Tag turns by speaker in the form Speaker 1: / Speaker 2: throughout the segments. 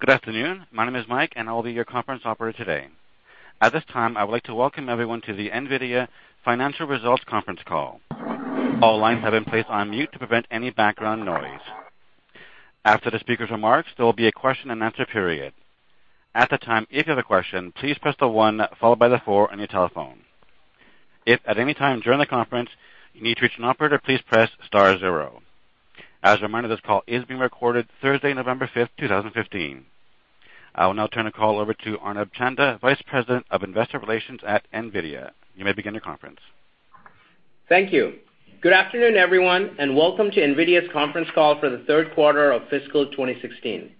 Speaker 1: Good afternoon. My name is Mike, I'll be your conference operator today. At this time, I would like to welcome everyone to the NVIDIA Financial Results Conference Call. All lines have been placed on mute to prevent any background noise. After the speaker's remarks, there will be a question and answer period. At that time, if you have a question, please press the one followed by the four on your telephone. If at any time during the conference, you need to reach an operator, please press star zero. As a reminder, this call is being recorded Thursday, November 5th, 2015. I will now turn the call over to Arun Chanda, Vice President of Investor Relations at NVIDIA. You may begin your conference.
Speaker 2: Thank you. Good afternoon, everyone, welcome to NVIDIA's conference call for the third quarter of fiscal 2016.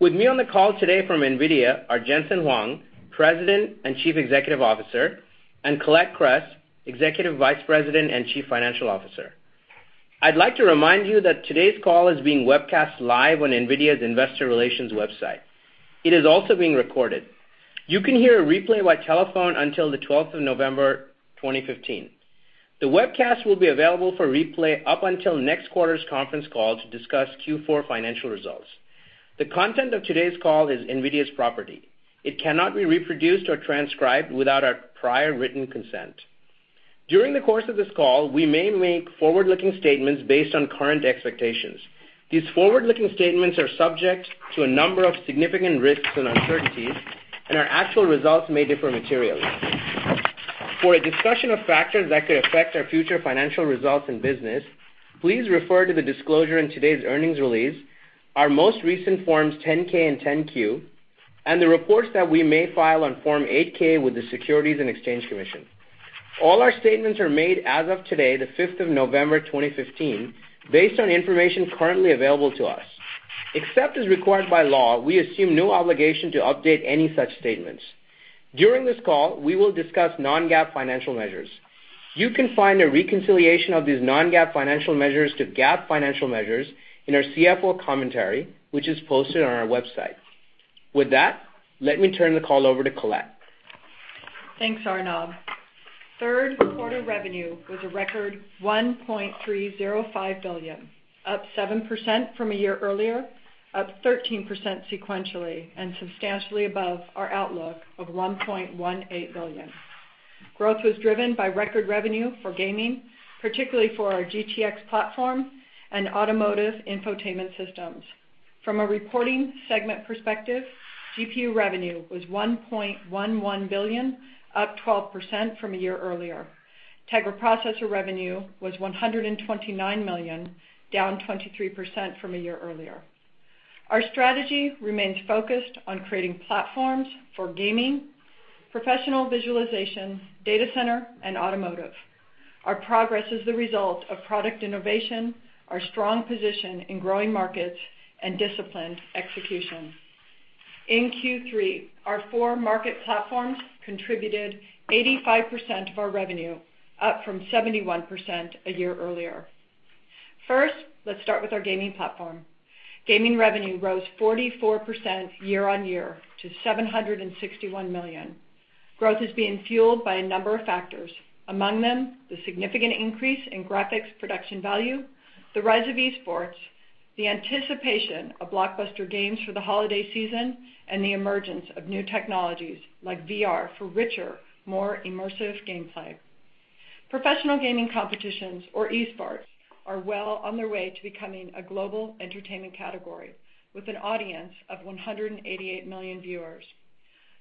Speaker 2: With me on the call today from NVIDIA are Jensen Huang, President and Chief Executive Officer, and Colette Kress, Executive Vice President and Chief Financial Officer. I'd like to remind you that today's call is being webcast live on NVIDIA's investor relations website. It is also being recorded. You can hear a replay by telephone until the 12th of November 2015. The webcast will be available for replay up until next quarter's conference call to discuss Q4 financial results. The content of today's call is NVIDIA's property. It cannot be reproduced or transcribed without our prior written consent. During the course of this call, we may make forward-looking statements based on current expectations. These forward-looking statements are subject to a number of significant risks and uncertainties, our actual results may differ materially. For a discussion of factors that could affect our future financial results and business, please refer to the disclosure in today's earnings release, our most recent Forms 10-K and 10-Q, the reports that we may file on Form 8-K with the Securities and Exchange Commission. All our statements are made as of today, the 5th of November 2015, based on information currently available to us. Except as required by law, we assume no obligation to update any such statements. During this call, we will discuss non-GAAP financial measures. You can find a reconciliation of these non-GAAP financial measures to GAAP financial measures in our CFO commentary, which is posted on our website. With that, let me turn the call over to Colette.
Speaker 3: Thanks, Arun. Third quarter revenue was a record $1.305 billion, up 7% from a year earlier, up 13% sequentially, substantially above our outlook of $1.18 billion. Growth was driven by record revenue for gaming, particularly for our GTX platform, automotive infotainment systems. From a reporting segment perspective, GPU revenue was $1.11 billion, up 12% from a year earlier. Tegra processor revenue was $129 million, down 23% from a year earlier. Our strategy remains focused on creating platforms for gaming, professional visualization, data center, automotive. Our progress is the result of product innovation, our strong position in growing markets, disciplined execution. In Q3, our four market platforms contributed 85% of our revenue, up from 71% a year earlier. First, let's start with our gaming platform. Gaming revenue rose 44% year-over-year to $761 million. Growth is being fueled by a number of factors. Among them, the significant increase in graphics production value, the rise of esports, the anticipation of blockbuster games for the holiday season, and the emergence of new technologies like VR for richer, more immersive gameplay. Professional gaming competitions, or esports, are well on their way to becoming a global entertainment category with an audience of 188 million viewers.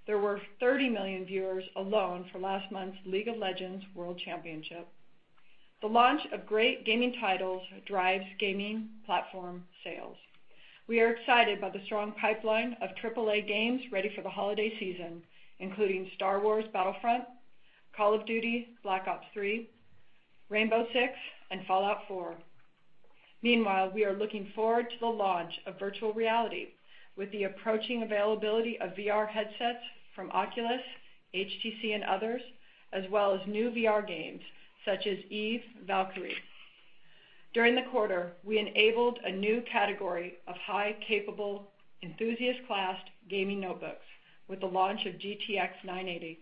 Speaker 3: There were 30 million viewers alone for last month's League of Legends World Championship. The launch of great gaming titles drives gaming platform sales. We are excited by the strong pipeline of AAA games ready for the holiday season, including Star Wars Battlefront, Call of Duty: Black Ops III, Rainbow Six, and Fallout 4. Meanwhile, we are looking forward to the launch of virtual reality with the approaching availability of VR headsets from Oculus, HTC, and others, as well as new VR games such as Eve: Valkyrie. During the quarter, we enabled a new category of high-capable, enthusiast-class gaming notebooks with the launch of GTX 980.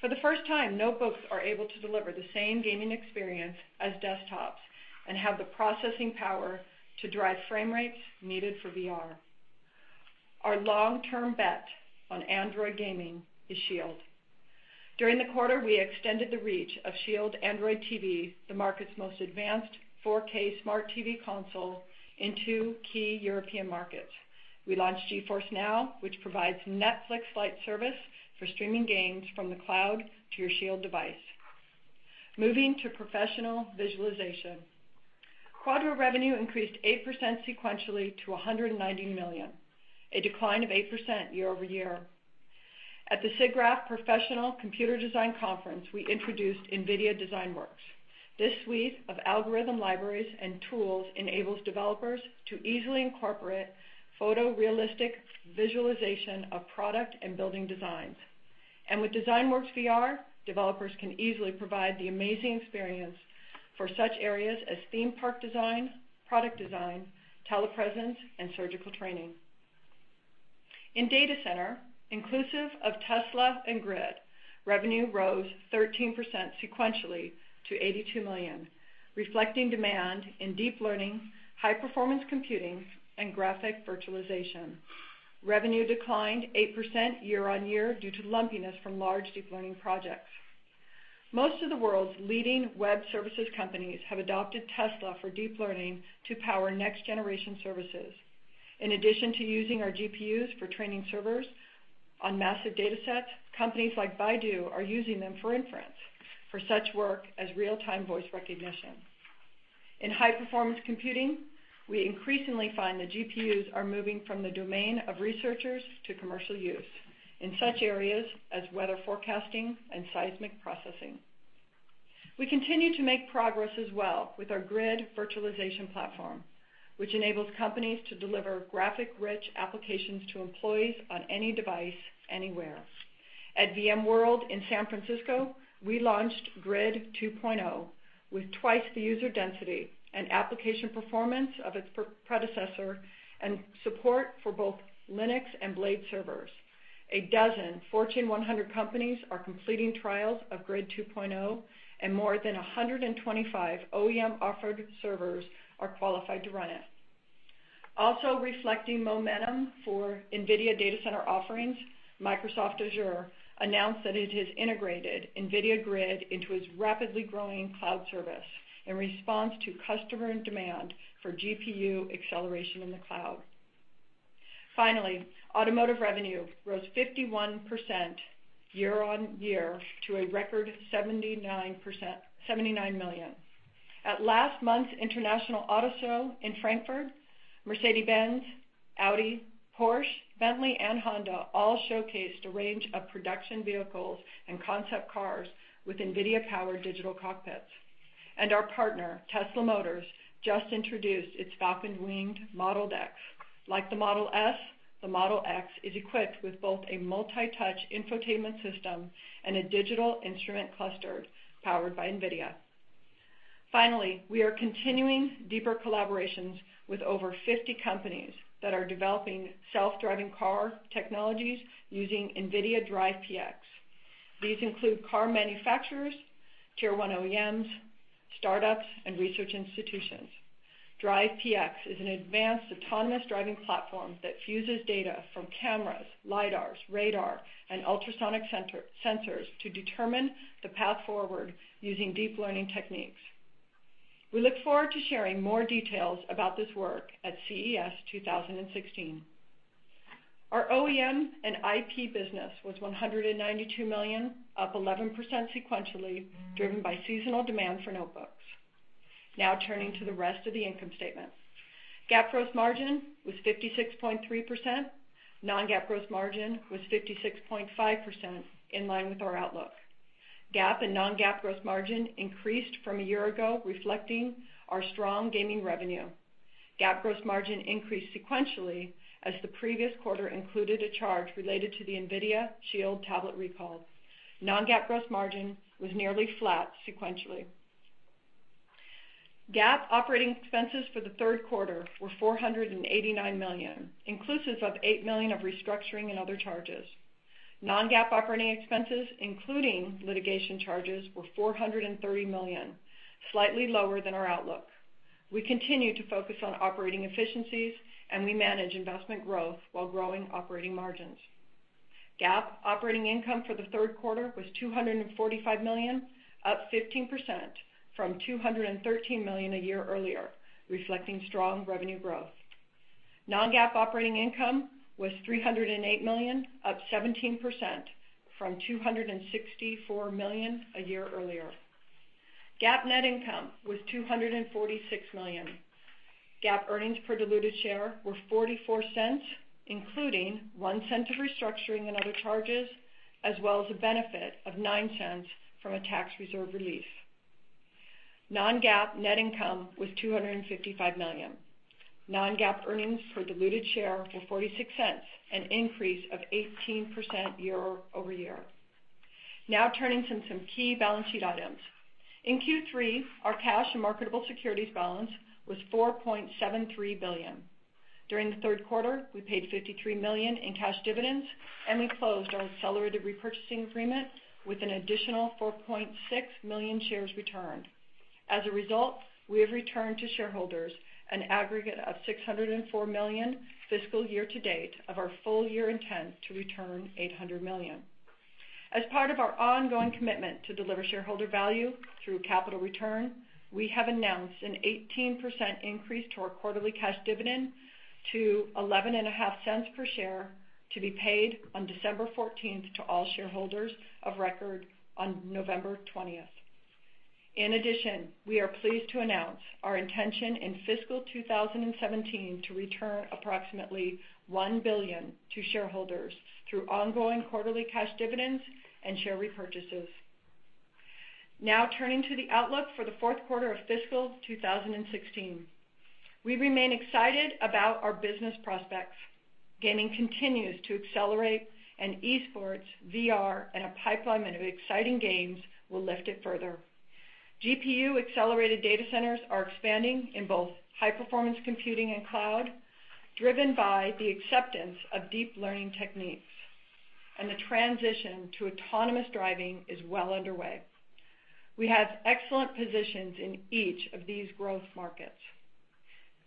Speaker 3: For the first time, notebooks are able to deliver the same gaming experience as desktops and have the processing power to drive frame rates needed for VR. Our long-term bet on Android gaming is Shield. During the quarter, we extended the reach of Shield Android TV, the market's most advanced 4K smart TV console, in two key European markets. We launched GeForce NOW, which provides Netflix-like service for streaming games from the cloud to your Shield device. Moving to professional visualization. Quadro revenue increased 8% sequentially to $190 million, a decline of 8% year-over-year. At the SIGGRAPH professional computer design conference, we introduced NVIDIA DesignWorks. This suite of algorithm libraries and tools enables developers to easily incorporate photorealistic visualization of product and building designs. With DesignWorks VR, developers can easily provide the amazing experience for such areas as theme park design, product design, telepresence, and surgical training. In data center, inclusive of Tesla and GRID, revenue rose 13% sequentially to $82 million, reflecting demand in deep learning, high-performance computing, and graphic virtualization. Revenue declined 8% year-on-year due to lumpiness from large deep learning projects. Most of the world's leading web services companies have adopted Tesla for deep learning to power next-generation services. In addition to using our GPUs for training servers on massive data sets, companies like Baidu are using them for inference for such work as real-time voice recognition. In high-performance computing, we increasingly find that GPUs are moving from the domain of researchers to commercial use in such areas as weather forecasting and seismic processing. We continue to make progress as well with our GRID virtualization platform, which enables companies to deliver graphic-rich applications to employees on any device, anywhere. At VMworld in San Francisco, we launched GRID 2.0 with twice the user density and application performance of its predecessor, and support for both Linux and blade servers. A dozen Fortune 100 companies are completing trials of GRID 2.0, and more than 125 OEM-offered servers are qualified to run it. Also reflecting momentum for NVIDIA data center offerings, Microsoft Azure announced that it has integrated NVIDIA GRID into its rapidly growing cloud service in response to customer demand for GPU acceleration in the cloud. Finally, automotive revenue rose 51% year-on-year to a record $79 million. At last month's International Auto Show in Frankfurt, Mercedes-Benz, Audi, Porsche, Bentley, and Honda all showcased a range of production vehicles and concept cars with NVIDIA-powered digital cockpits. Our partner, Tesla Motors, just introduced its falcon-winged Model X. Like the Model S, the Model X is equipped with both a multi-touch infotainment system and a digital instrument cluster powered by NVIDIA. Finally, we are continuing deeper collaborations with over 50 companies that are developing self-driving car technologies using NVIDIA Drive PX. These include car manufacturers, tier 1 OEMs, startups, and research institutions. Drive PX is an advanced autonomous driving platform that fuses data from cameras, Lidars, radar, and ultrasonic sensors to determine the path forward using deep learning techniques. We look forward to sharing more details about this work at CES 2016. Our OEM and IP business was $192 million, up 11% sequentially, driven by seasonal demand for notebooks. Turning to the rest of the income statement. GAAP gross margin was 56.3%. Non-GAAP gross margin was 56.5%, in line with our outlook. GAAP and non-GAAP gross margin increased from a year ago, reflecting our strong gaming revenue. GAAP gross margin increased sequentially as the previous quarter included a charge related to the NVIDIA Shield tablet recall. Non-GAAP gross margin was nearly flat sequentially. GAAP operating expenses for the third quarter were $489 million, inclusive of $8 million of restructuring and other charges. Non-GAAP operating expenses, including litigation charges, were $430 million, slightly lower than our outlook. We continue to focus on operating efficiencies, and we manage investment growth while growing operating margins. GAAP operating income for the third quarter was $245 million, up 15% from $213 million a year earlier, reflecting strong revenue growth. Non-GAAP operating income was $308 million, up 17% from $264 million a year earlier. GAAP net income was $246 million. GAAP earnings per diluted share were $0.44, including $0.01 of restructuring and other charges, as well as a benefit of $0.09 from a tax reserve relief. Non-GAAP net income was $255 million. Non-GAAP earnings per diluted share were $0.46, an increase of 18% year-over-year. Turning to some key balance sheet items. In Q3, our cash and marketable securities balance was $4.73 billion. During the third quarter, we paid $53 million in cash dividends, and we closed our accelerated repurchasing agreement with an additional 4.6 million shares returned. As a result, we have returned to shareholders an aggregate of $604 million fiscal year to date of our full-year intent to return $800 million. As part of our ongoing commitment to deliver shareholder value through capital return, we have announced an 18% increase to our quarterly cash dividend to $0.115 per share to be paid on December 14th to all shareholders of record on November 20th. In addition, we are pleased to announce our intention in fiscal 2017 to return approximately $1 billion to shareholders through ongoing quarterly cash dividends and share repurchases. Turning to the outlook for the fourth quarter of fiscal 2016. We remain excited about our business prospects. Gaming continues to accelerate, and esports, VR, and a pipeline of exciting games will lift it further. GPU accelerated data centers are expanding in both high performance computing and cloud, driven by the acceptance of deep learning techniques, and the transition to autonomous driving is well underway. We have excellent positions in each of these growth markets.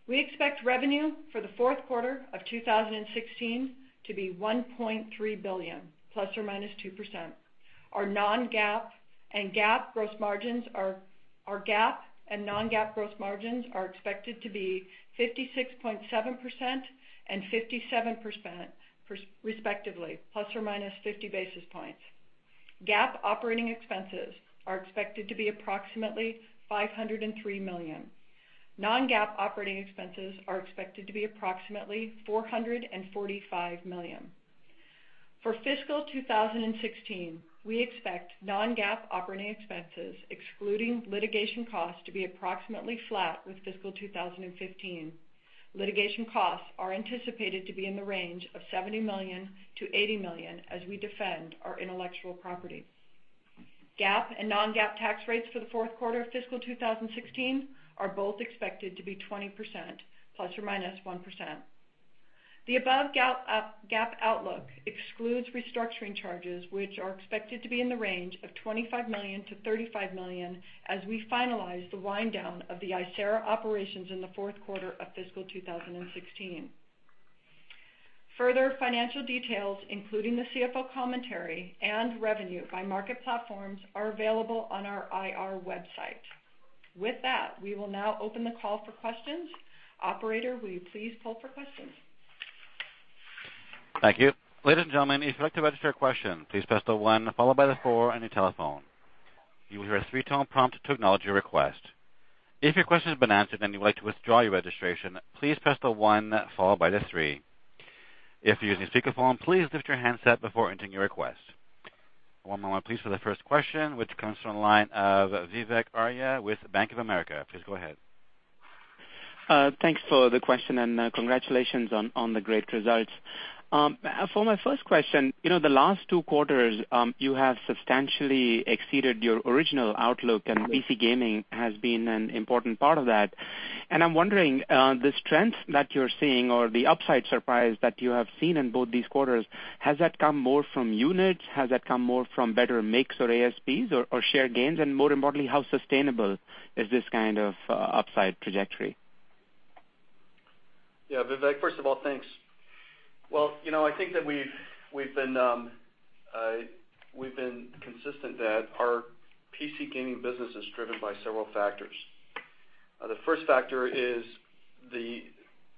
Speaker 3: We expect revenue for the fourth quarter of 2016 to be $1.3 billion ±2%. Our GAAP and non-GAAP gross margins are expected to be 56.7% and 57%, respectively, ±50 basis points. GAAP operating expenses are expected to be approximately $503 million. Non-GAAP operating expenses are expected to be approximately $445 million. For fiscal 2016, we expect non-GAAP operating expenses, excluding litigation costs, to be approximately flat with fiscal 2015. Litigation costs are anticipated to be in the range of $70 million-$80 million as we defend our intellectual property. GAAP and non-GAAP tax rates for the fourth quarter of fiscal 2016 are both expected to be 20% ±1%. The above GAAP outlook excludes restructuring charges, which are expected to be in the range of $25 million-$35 million as we finalize the wind down of the Icera operations in the fourth quarter of fiscal 2016. Further financial details, including the CFO commentary and revenue by market platforms, are available on our IR website. With that, we will now open the call for questions. Operator, will you please pull for questions?
Speaker 1: Thank you. Ladies and gentlemen, if you'd like to register a question, please press the 1 followed by the 4 on your telephone. You will hear a three-tone prompt to acknowledge your request. If your question has been answered and you'd like to withdraw your registration, please press the 1 followed by the 3. If you're using a speakerphone, please lift your handset before entering your request. One moment please for the first question, which comes from the line of Vivek Arya with Bank of America. Please go ahead.
Speaker 4: Thanks for the question. Congratulations on the great results. For my first question, the last two quarters, you have substantially exceeded your original outlook, PC gaming has been an important part of that. I'm wondering, the strength that you're seeing or the upside surprise that you have seen in both these quarters, has that come more from units? Has that come more from better mix or ASPs or share gains? More importantly, how sustainable is this kind of upside trajectory?
Speaker 3: Yeah, Vivek. First of all, thanks. Well, I think that we've been consistent that our PC gaming business is driven by several factors. The first factor is the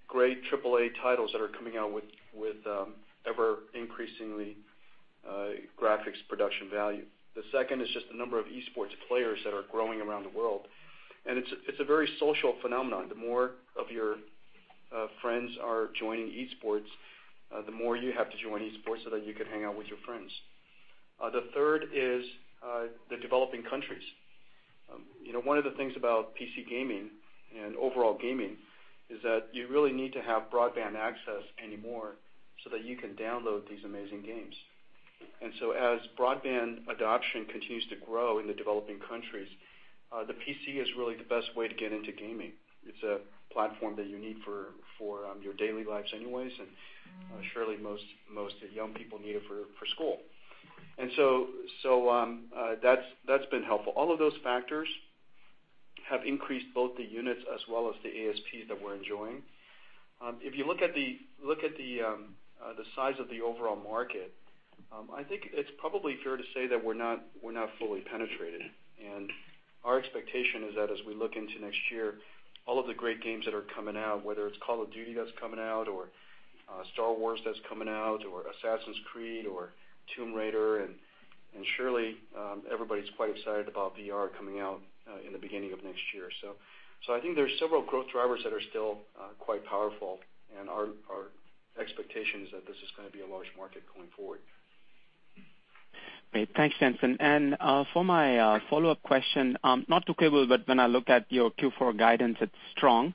Speaker 3: great AAA titles that are coming out with ever-increasingly graphics production value. The second is just the number of esports players that are growing around the world, and it's a very social phenomenon. The more of your friends are joining esports, the more you have to join esports so that you can hang out with your friends. The third is the developing countries. One of the things about PC gaming and overall gaming is that you really need to have broadband access anymore so that you can download these amazing games. As broadband adoption continues to grow in the developing countries, the PC is really the best way to get into gaming. It's a platform that you need for your daily lives anyways, and surely most young people need it for school. That's been helpful. All of those factors have increased both the units as well as the ASPs that we're enjoying. If you look at the size of the overall market, I think it's probably fair to say that we're not fully penetrated. Our expectation is that as we look into next year, all of the great games that are coming out, whether it's Call of Duty that's coming out, or Star Wars that's coming out, or Assassin's Creed, or Tomb Raider, and surely, everybody's quite excited about VR coming out in the beginning of next year. I think there's several growth drivers that are still quite powerful, and our expectation is that this is going to be a large market going forward.
Speaker 4: Great. Thanks, Jensen. For my follow-up question, not to quibble, but when I look at your Q4 guidance, it's strong,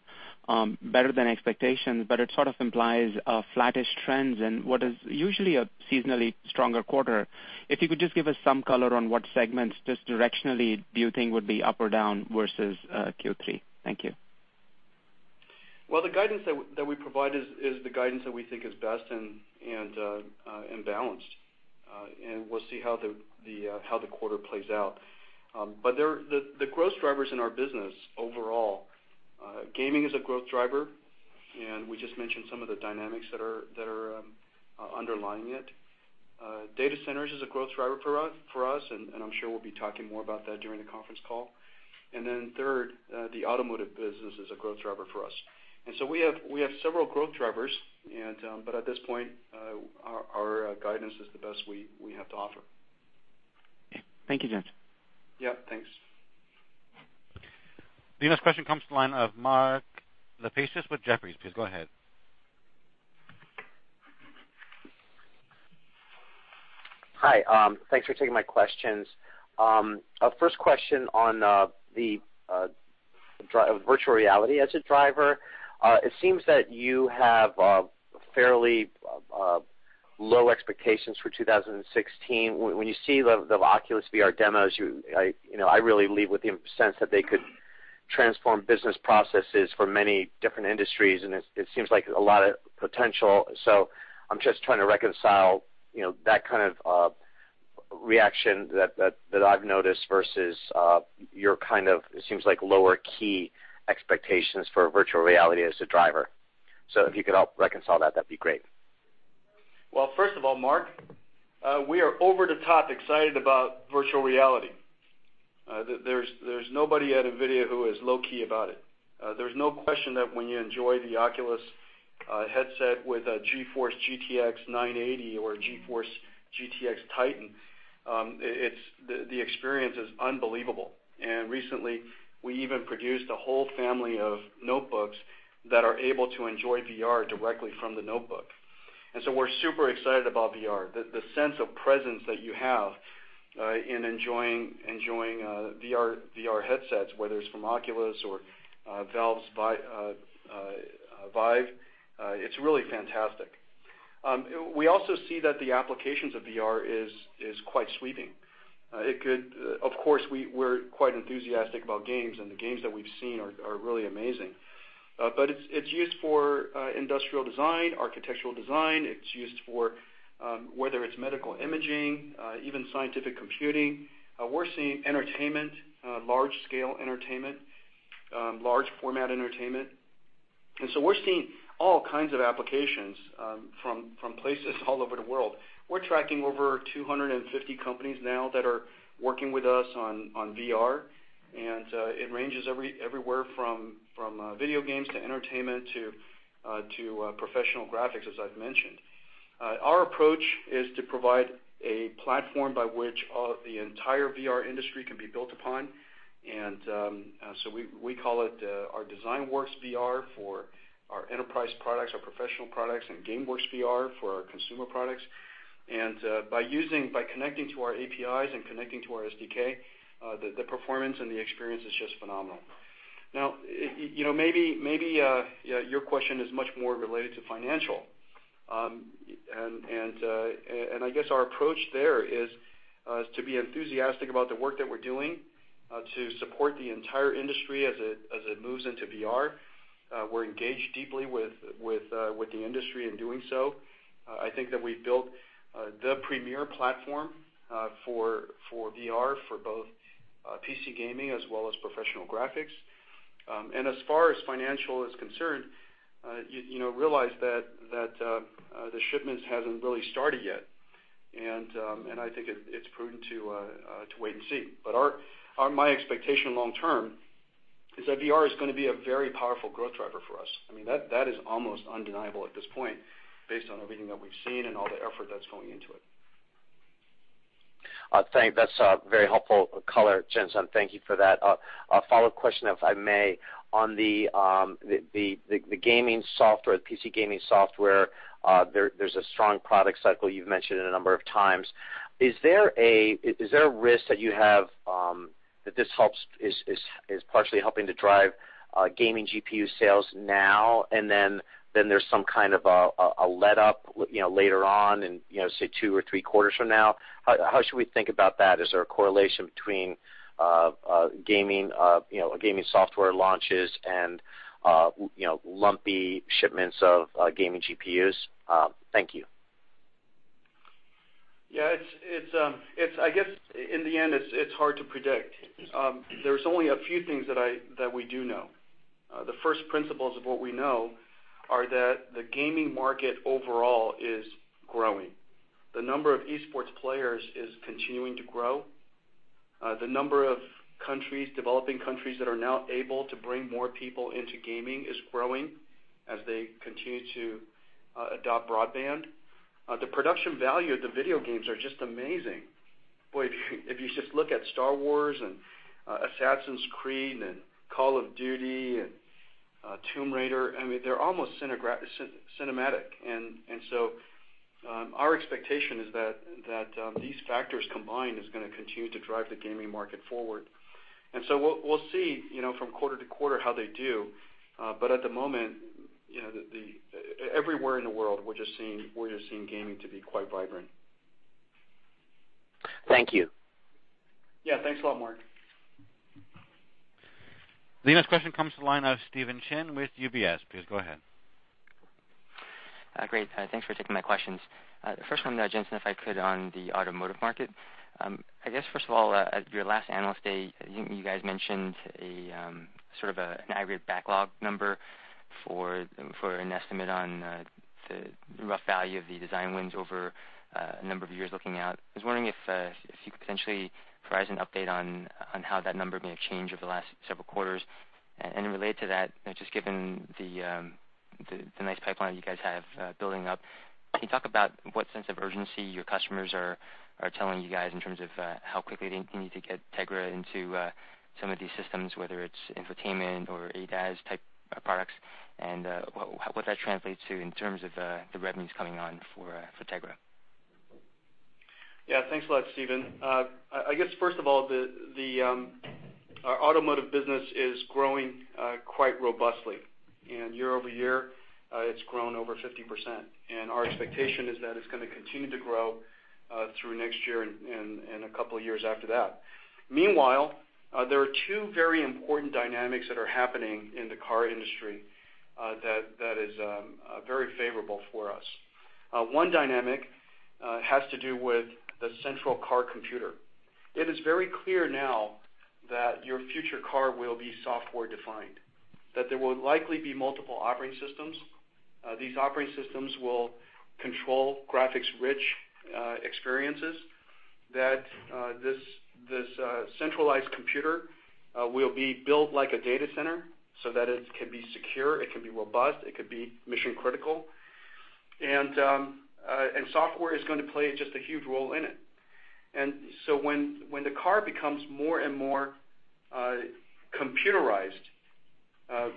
Speaker 4: better than expectations, but it sort of implies a flattish trend in what is usually a seasonally stronger quarter. If you could just give us some color on what segments, just directionally, do you think would be up or down versus Q3. Thank you.
Speaker 5: Well, the guidance that we provide is the guidance that we think is best and balanced. We'll see how the quarter plays out. The growth drivers in our business overall, gaming is a growth driver, and we just mentioned some of the dynamics that are underlying it. Data centers is a growth driver for us, and I'm sure we'll be talking more about that during the conference call. Third, the automotive business is a growth driver for us. We have several growth drivers, but at this point, our guidance is the best we have to offer.
Speaker 4: Okay. Thank you, Jensen.
Speaker 5: Yeah, thanks.
Speaker 1: The next question comes to the line of Mark Lipacis with Jefferies. Please go ahead.
Speaker 6: Hi, thanks for taking my questions. First question on the virtual reality as a driver. It seems that you have fairly low expectations for 2016. When you see the Oculus VR demos, I really leave with the sense that they could transform business processes for many different industries, and it seems like a lot of potential. I'm just trying to reconcile that kind of reaction that I've noticed versus your, it seems like, lower key expectations for virtual reality as a driver. If you could help reconcile that'd be great.
Speaker 5: First of all, Mark, we are over the top excited about virtual reality. There's nobody at NVIDIA who is low-key about it. There's no question that when you enjoy the Oculus headset with a GeForce GTX 980 or a GeForce GTX TITAN, the experience is unbelievable. Recently, we even produced a whole family of notebooks that are able to enjoy VR directly from the notebook. We're super excited about VR. The sense of presence that you have in enjoying VR headsets, whether it's from Oculus or Valve's Vive, it's really fantastic. We also see that the applications of VR is quite sweeping. Of course, we're quite enthusiastic about games, and the games that we've seen are really amazing. It's used for industrial design, architectural design. It's used for whether it's medical imaging, even scientific computing. We're seeing entertainment, large scale entertainment, large format entertainment. We're seeing all kinds of applications from places all over the world. We're tracking over 250 companies now that are working with us on VR, it ranges everywhere from video games to entertainment to professional graphics, as I've mentioned. Our approach is to provide a platform by which the entire VR industry can be built upon. We call it our DesignWorks VR for our enterprise products, our professional products, and GameWorks VR for our consumer products. By connecting to our APIs and connecting to our SDK, the performance and the experience is just phenomenal. Now, maybe your question is much more related to financial. I guess our approach there is to be enthusiastic about the work that we're doing to support the entire industry as it moves into VR. We're engaged deeply with the industry in doing so. I think that we've built the premier platform for VR, for both PC gaming as well as professional graphics. As far as financial is concerned, realize that the shipments haven't really started yet, I think it's prudent to wait and see. My expectation long term is that VR is going to be a very powerful growth driver for us. That is almost undeniable at this point, based on everything that we've seen and all the effort that's going into it.
Speaker 6: That's a very helpful color, Jensen. Thank you for that. A follow-up question, if I may. On the PC gaming software, there's a strong product cycle you've mentioned a number of times. Is there a risk that you have that this is partially helping to drive gaming GPU sales now, then there's some kind of a let-up later on in, say, two or three quarters from now? How should we think about that? Is there a correlation between gaming software launches and lumpy shipments of gaming GPUs? Thank you.
Speaker 5: Yeah. I guess, in the end, it's hard to predict. There is only a few things that we do know. The first principles of what we know are that the gaming market overall is growing. The number of esports players is continuing to grow. The number of developing countries that are now able to bring more people into gaming is growing as they continue to adopt broadband. The production value of the video games are just amazing. Boy, if you just look at "Star Wars" and "Assassin's Creed" and "Call of Duty" and "Tomb Raider," they are almost cinematic. So our expectation is that these factors combined is going to continue to drive the gaming market forward. So we will see from quarter to quarter how they do. At the moment, everywhere in the world, we are just seeing gaming to be quite vibrant.
Speaker 6: Thank you.
Speaker 5: Yeah. Thanks a lot, Mark.
Speaker 1: The next question comes to the line of Stephen Chin with UBS. Please go ahead.
Speaker 7: Great. Thanks for taking my questions. First one, Jensen, if I could, on the automotive market. I guess, first of all, at your last Analyst Day, you guys mentioned sort of an aggregate backlog number for an estimate on the rough value of the design wins over a number of years looking out. I was wondering if you could potentially provide an update on how that number may have changed over the last several quarters. Related to that, just given the nice pipeline that you guys have building up, can you talk about what sense of urgency your customers are telling you guys in terms of how quickly they need to get Tegra into some of these systems, whether it's infotainment or ADAS type products, and what that translates to in terms of the revenues coming on for Tegra?
Speaker 5: Yeah. Thanks a lot, Stephen. I guess, first of all, our automotive business is growing quite robustly. Year-over-year, it's grown over 50%. Our expectation is that it's going to continue to grow through next year and a couple of years after that. Meanwhile, there are two very important dynamics that are happening in the car industry that is very favorable for us. One dynamic has to do with the central car computer. It is very clear now that your future car will be software defined, that there will likely be multiple operating systems. These operating systems will control graphics-rich experiences, that this centralized computer will be built like a data center so that it can be secure, it can be robust, it can be mission-critical. Software is going to play just a huge role in it. When the car becomes more and more computerized,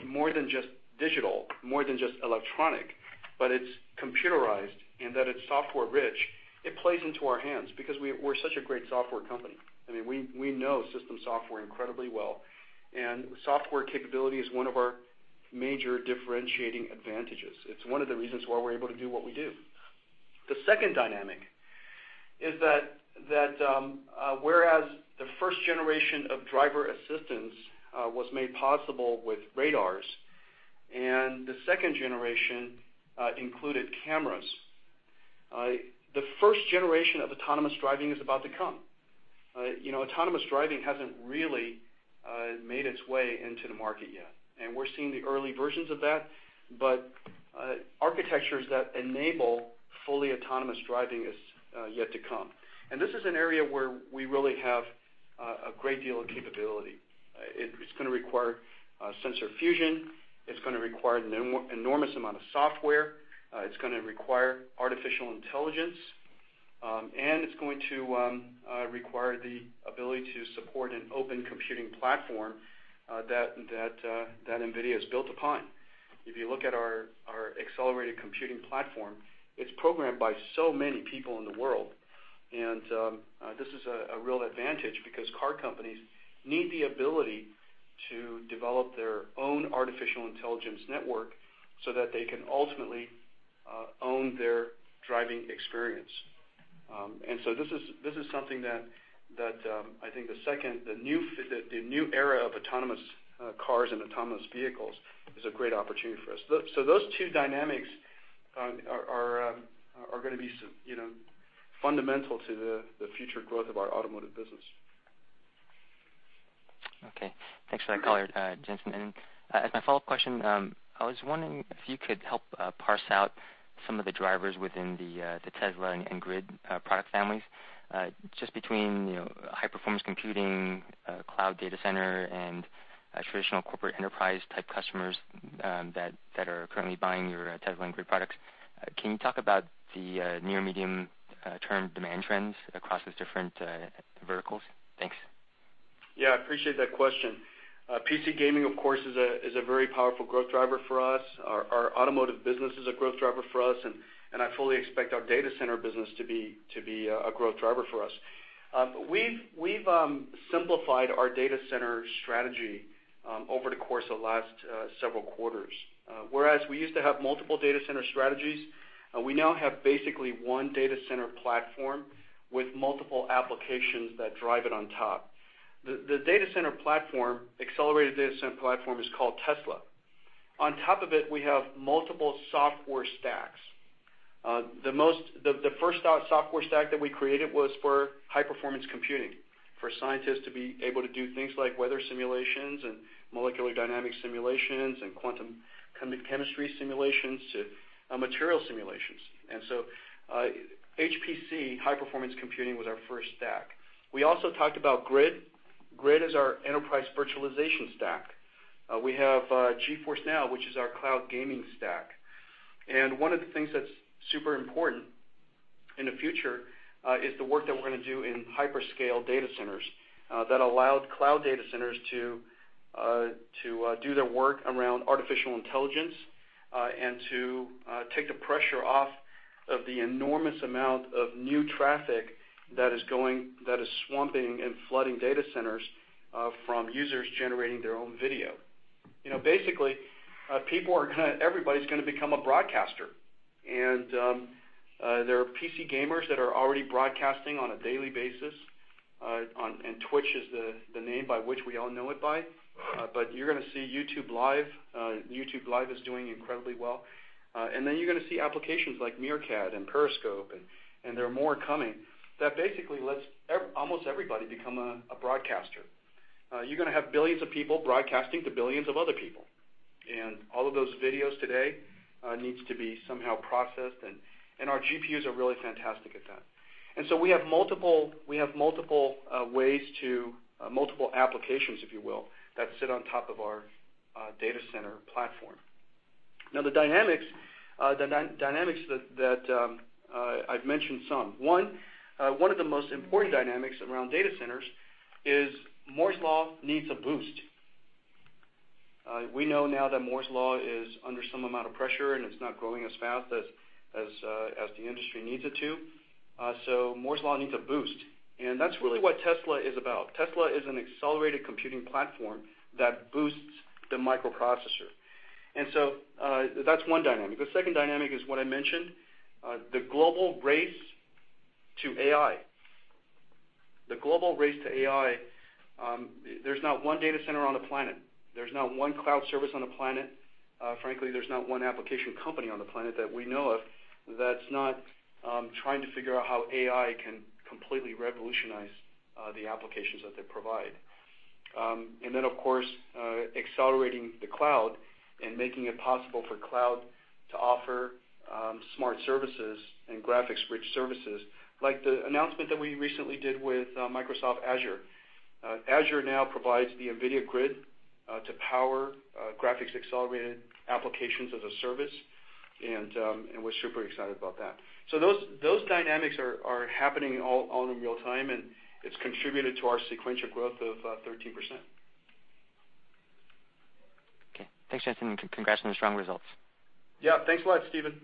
Speaker 5: more than just digital, more than just electronic, but it's computerized and that it's software rich, it plays into our hands because we're such a great software company. We know system software incredibly well, and software capability is one of our major differentiating advantages. It's one of the reasons why we're able to do what we do. The second dynamic is that whereas the first generation of driver assistance was made possible with radars, and the second generation included cameras, the first generation of autonomous driving is about to come. Autonomous driving hasn't really made its way into the market yet. We're seeing the early versions of that, but architectures that enable fully autonomous driving is yet to come. This is an area where we really have a great deal of capability. It's going to require sensor fusion, it's going to require an enormous amount of software, it's going to require artificial intelligence, and it's going to require the ability to support an open computing platform that NVIDIA has built upon. If you look at our accelerated computing platform, it's programmed by so many people in the world. This is a real advantage because car companies need the ability to develop their own artificial intelligence network so that they can ultimately own their driving experience. This is something that I think the new era of autonomous cars and autonomous vehicles is a great opportunity for us. Those two dynamics are going to be fundamental to the future growth of our automotive business.
Speaker 7: Okay. Thanks for that color, Jensen. As my follow-up question, I was wondering if you could help parse out some of the drivers within the Tesla and GRID product families. Just between high performance computing, cloud data center, and traditional corporate enterprise type customers that are currently buying your Tesla and GRID products. Can you talk about the near medium term demand trends across those different verticals? Thanks.
Speaker 5: Yeah, I appreciate that question. PC gaming, of course, is a very powerful growth driver for us. Our automotive business is a growth driver for us, and I fully expect our data center business to be a growth driver for us. We've simplified our data center strategy over the course of the last several quarters. Whereas we used to have multiple data center strategies, we now have basically one data center platform with multiple applications that drive it on top. The accelerated data center platform is called Tesla. On top of it, we have multiple software stacks. The first software stack that we created was for high performance computing, for scientists to be able to do things like weather simulations and molecular dynamic simulations, and quantum chemistry simulations to material simulations. HPC, high performance computing, was our first stack. We also talked about GRID. GRID is our enterprise virtualization stack. We have GeForce NOW, which is our cloud gaming stack. One of the things that's super important in the future is the work that we're going to do in hyperscale data centers that allow cloud data centers to do their work around artificial intelligence, and to take the pressure off of the enormous amount of new traffic that is swamping and flooding data centers from users generating their own video. Basically, everybody's going to become a broadcaster. There are PC gamers that are already broadcasting on a daily basis, and Twitch is the name by which we all know it by. You're going to see YouTube Live. YouTube Live is doing incredibly well. You're going to see applications like Meerkat and Periscope, and there are more coming, that basically lets almost everybody become a broadcaster. You're going to have billions of people broadcasting to billions of other people. All of those videos today needs to be somehow processed, and our GPUs are really fantastic at that. We have multiple ways to multiple applications, if you will, that sit on top of our data center platform. Now, the dynamics that I've mentioned some. One of the most important dynamics around data centers is Moore's Law needs a boost. We know now that Moore's Law is under some amount of pressure, and it's not growing as fast as the industry needs it to. Moore's Law needs a boost, and that's really what Tesla is about. Tesla is an accelerated computing platform that boosts the microprocessor. That's one dynamic. The second dynamic is what I mentioned, the global race to AI. The global race to AI, there's not one data center on the planet, there's not one cloud service on the planet, frankly, there's not one application company on the planet that we know of that's not trying to figure out how AI can completely revolutionize the applications that they provide. Of course, accelerating the cloud and making it possible for cloud to offer smart services and graphics-rich services. Like the announcement that we recently did with Microsoft Azure. Azure now provides the NVIDIA GRID to power graphics accelerated applications as a service, and we're super excited about that. Those dynamics are happening all in real time, and it's contributed to our sequential growth of 13%.
Speaker 7: Okay, thanks, Jensen, congrats on the strong results.
Speaker 5: Yeah. Thanks a lot, Stephen.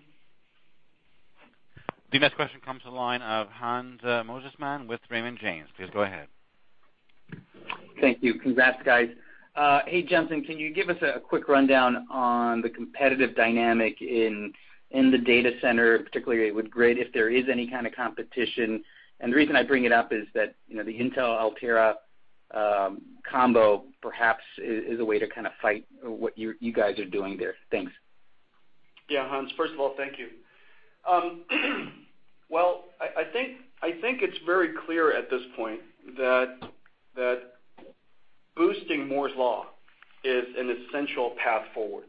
Speaker 1: The next question comes to the line of Hans Mosesmann with Raymond James. Please go ahead.
Speaker 8: Thank you. Congrats, guys. Hey, Jensen, can you give us a quick rundown on the competitive dynamic in the data center, particularly with GRID, if there is any kind of competition? The reason I bring it up is that the Intel Altera combo perhaps is a way to kind of fight what you guys are doing there. Thanks.
Speaker 5: Yeah, Hans, first of all, thank you. Well, I think it's very clear at this point that boosting Moore's Law is an essential path forward.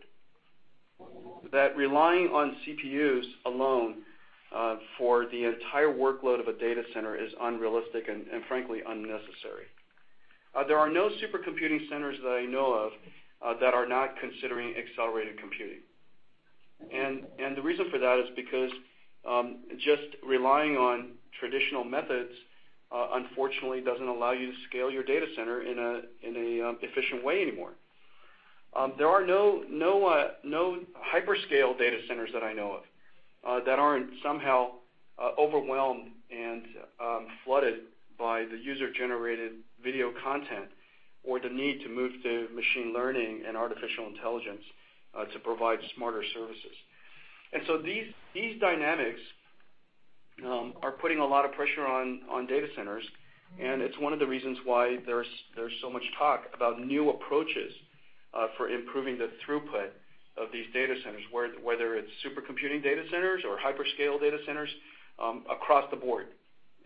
Speaker 5: That relying on CPUs alone for the entire workload of a data center is unrealistic and frankly, unnecessary. There are no supercomputing centers that I know of that are not considering accelerated computing. The reason for that is because just relying on traditional methods, unfortunately, doesn't allow you to scale your data center in an efficient way anymore. There are no hyperscale data centers that I know of that aren't somehow overwhelmed and flooded by the user-generated video content or the need to move to machine learning and artificial intelligence to provide smarter services. These dynamics are putting a lot of pressure on data centers, and it's one of the reasons why there's so much talk about new approaches for improving the throughput of these data centers, whether it's supercomputing data centers or hyperscale data centers, across the board.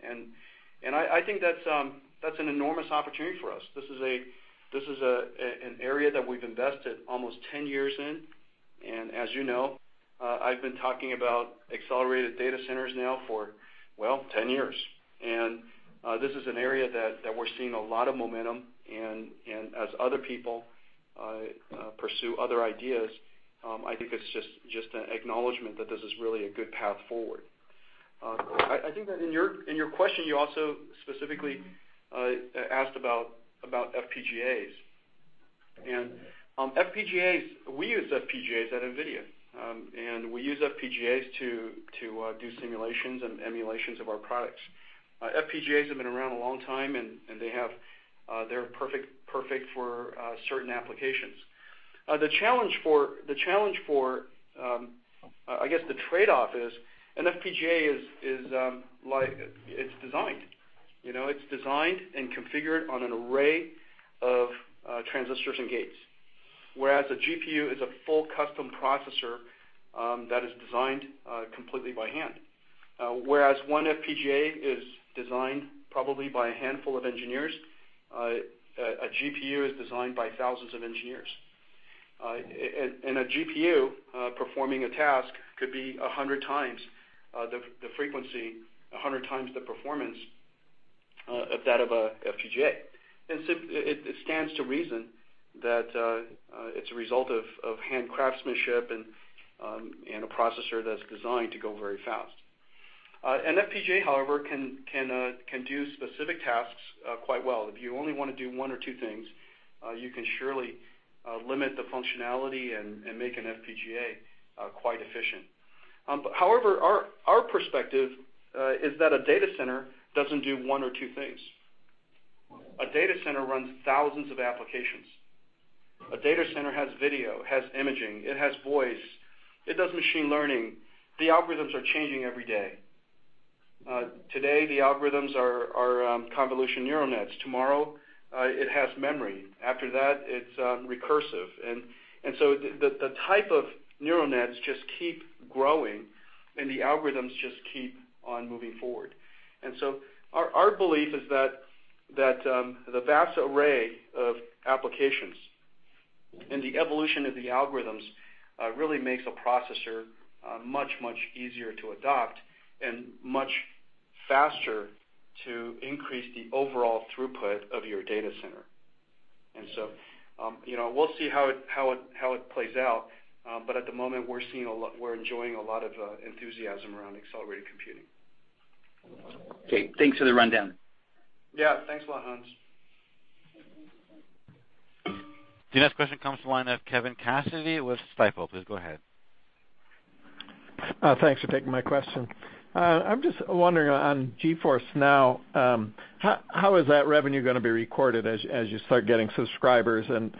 Speaker 5: I think that's an enormous opportunity for us. This is an area that we've invested almost 10 years in, and as you know, I've been talking about accelerated data centers now for, well, 10 years. This is an area that we're seeing a lot of momentum. As other people pursue other ideas, I think it's just an acknowledgment that this is really a good path forward. I think that in your question, you also specifically asked about FPGAs. We use FPGAs at NVIDIA, and we use FPGAs to do simulations and emulations of our products. FPGAs have been around a long time, and they're perfect for certain applications. The challenge for, I guess, the trade-off is an FPGA it's designed and configured on an array of transistors and gates, whereas a GPU is a full custom processor that is designed completely by hand. Whereas one FPGA is designed probably by a handful of engineers, a GPU is designed by thousands of engineers. A GPU performing a task could be 100 times the frequency, 100 times the performance of that of an FPGA. It stands to reason that it's a result of hand craftsmanship, and a processor that's designed to go very fast. An FPGA, however, can do specific tasks quite well. If you only want to do one or two things, you can surely limit the functionality and make an FPGA quite efficient. Our perspective is that a data center doesn't do one or two things. A data center runs thousands of applications. A data center has video, has imaging. It has voice. It does machine learning. The algorithms are changing every day. Today, the algorithms are convolution neural nets. Tomorrow, it has memory. After that, it's recursive. The type of neural nets just keep growing, and the algorithms just keep on moving forward. Our belief is that the vast array of applications and the evolution of the algorithms really makes a processor much, much easier to adopt and much faster to increase the overall throughput of your data center. We'll see how it plays out. At the moment, we're enjoying a lot of enthusiasm around accelerated computing.
Speaker 8: Okay, thanks for the rundown.
Speaker 5: Yeah, thanks a lot, Hans.
Speaker 1: The next question comes from the line of Kevin Cassidy with Stifel. Please go ahead.
Speaker 9: Thanks for taking my question. I'm just wondering on GeForce NOW, how is that revenue going to be recorded as you start getting subscribers and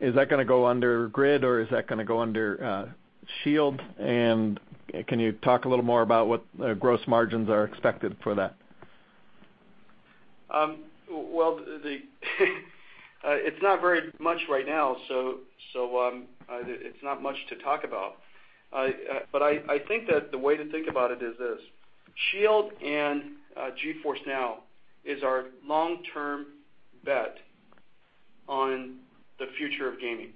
Speaker 9: is that going to go under grid or is that going to go under Shield? Can you talk a little more about what gross margins are expected for that?
Speaker 5: Well, it's not very much right now, so it's not much to talk about. I think that the way to think about it is this, Shield and GeForce NOW is our long-term bet on the future of gaming.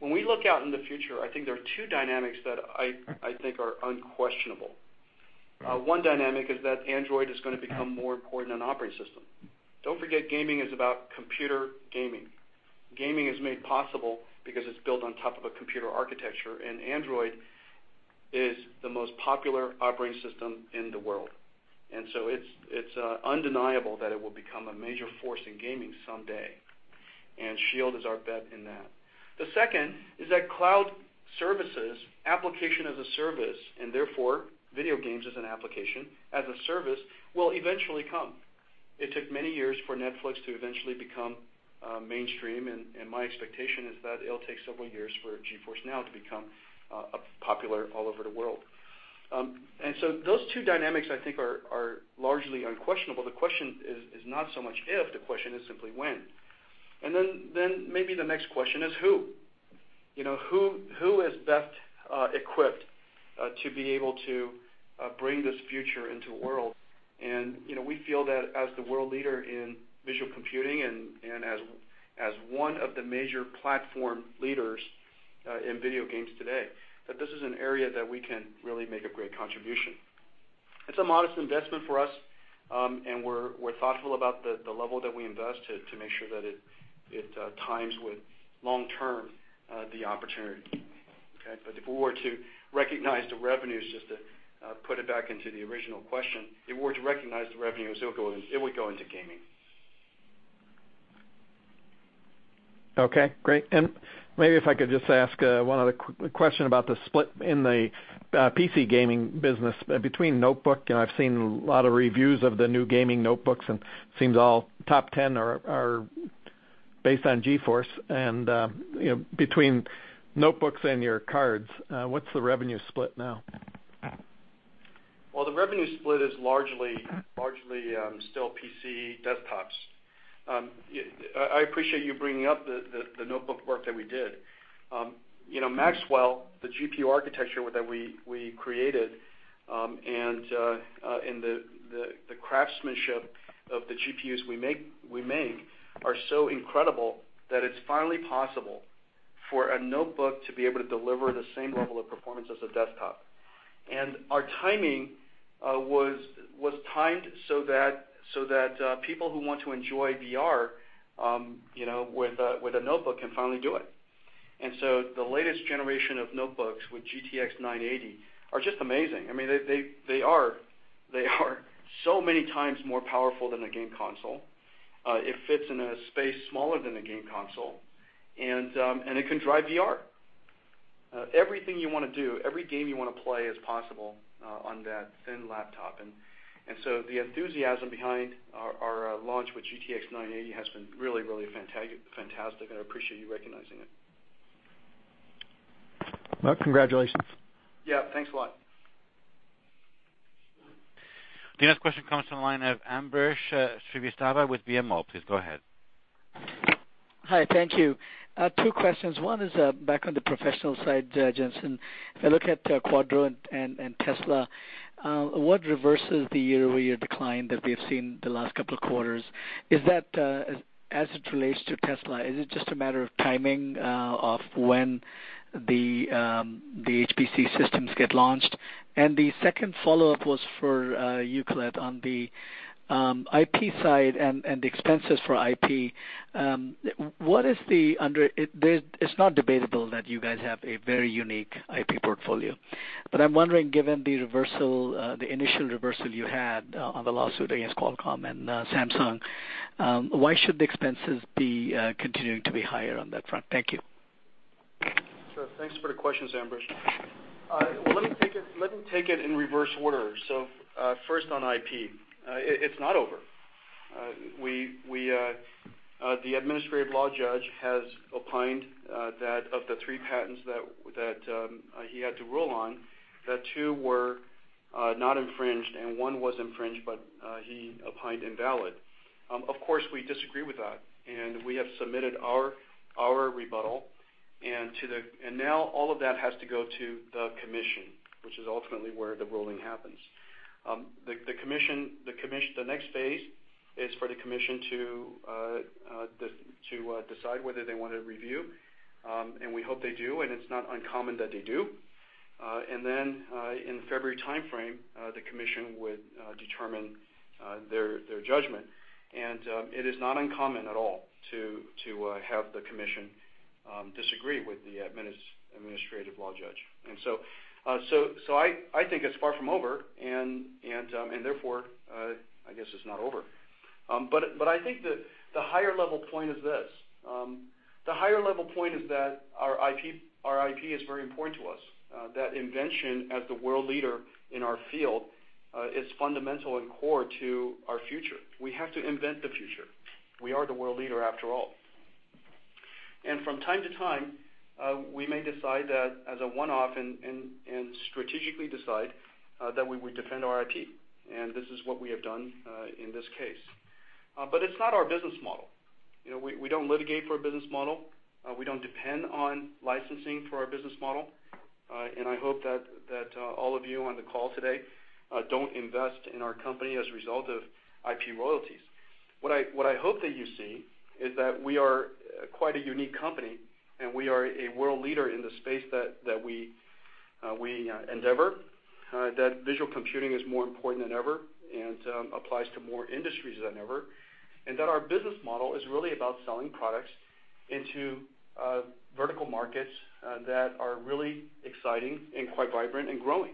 Speaker 5: When we look out in the future, I think there are two dynamics that I think are unquestionable. One dynamic is that Android is going to become more important than operating system. Don't forget, gaming is about computer gaming. Gaming is made possible because it's built on top of a computer architecture, and Android is the most popular operating system in the world. It's undeniable that it will become a major force in gaming someday. Shield is our bet in that. The second is that cloud services, application as a service, and therefore video games as an application, as a service, will eventually come. It took many years for Netflix to eventually become mainstream, and my expectation is that it'll take several years for GeForce NOW to become popular all over the world. Those two dynamics, I think are largely unquestionable. The question is not so much if, the question is simply when. Then maybe the next question is who. Who is best equipped to be able to bring this future into the world? We feel that as the world leader in visual computing and as one of the major platform leaders in video games today, that this is an area that we can really make a great contribution. It's a modest investment for us, and we're thoughtful about the level that we invest to make sure that it times with long-term, the opportunity. Okay? If we were to recognize the revenues, just to put it back into the original question, if we were to recognize the revenues, it would go into gaming.
Speaker 9: Okay, great. Maybe if I could just ask one other question about the split in the PC gaming business between notebook, and I've seen a lot of reviews of the new gaming notebooks, and it seems all top 10 are based on GeForce and between notebooks and your cards, what's the revenue split now?
Speaker 5: Well, the revenue split is largely still PC desktops. I appreciate you bringing up the notebook work that we did. Maxwell, the GPU architecture that we created, and the craftsmanship of the GPUs we make are so incredible that it's finally possible for a notebook to be able to deliver the same level of performance as a desktop. Our timing was timed so that people who want to enjoy VR with a notebook can finally do it. So the latest generation of notebooks with GTX 980 are just amazing. They are so many times more powerful than a game console. It fits in a space smaller than a game console, and it can drive VR. Everything you want to do, every game you want to play is possible on that thin laptop. So the enthusiasm behind our launch with GTX 980 has been really fantastic, and I appreciate you recognizing it.
Speaker 9: Well, congratulations.
Speaker 5: Yeah. Thanks a lot.
Speaker 1: The next question comes from the line of Ambrish Srivastava with BMO. Please go ahead.
Speaker 10: Hi, thank you. Two questions. One is back on the professional side, Jensen. If I look at Quadro and Tesla, what reverses the year-over-year decline that we have seen the last couple of quarters? Is that as it relates to Tesla, is it just a matter of timing of when the HPC systems get launched? The second follow-up was for you, Colette, on the IP side and the expenses for IP. It's not debatable that you guys have a very unique IP portfolio, I'm wondering, given the initial reversal you had on the lawsuit against Qualcomm and Samsung, why should the expenses be continuing to be higher on that front? Thank you.
Speaker 5: Sure. Thanks for the questions, Ambrish. Let me take it in reverse order. First on IP. It's not over. The administrative law judge has opined that of the three patents that he had to rule on, that two were not infringed and one was infringed, he opined invalid. Of course, we disagree with that, we have submitted our rebuttal, now all of that has to go to the commission, which is ultimately where the ruling happens. The next phase is for the commission to decide whether they want to review, we hope they do, it's not uncommon that they do. Then in the February timeframe, the commission would determine their judgment. It is not uncommon at all to have the commission disagree with the administrative law judge. I think it's far from over and therefore, I guess it's not over. I think that the higher level point is this, the higher level point is that our IP is very important to us, that invention as the world leader in our field, is fundamental and core to our future. We have to invent the future. We are the world leader after all. From time to time, we may decide that as a one-off and strategically decide, that we would defend our IP. This is what we have done in this case. It's not our business model. We don't litigate for a business model. We don't depend on licensing for our business model. I hope that all of you on the call today, don't invest in our company as a result of IP royalties. What I hope that you see is that we are quite a unique company, we are a world leader in the space that we endeavor, that visual computing is more important than ever, applies to more industries than ever. Our business model is really about selling products into vertical markets that are really exciting and quite vibrant and growing.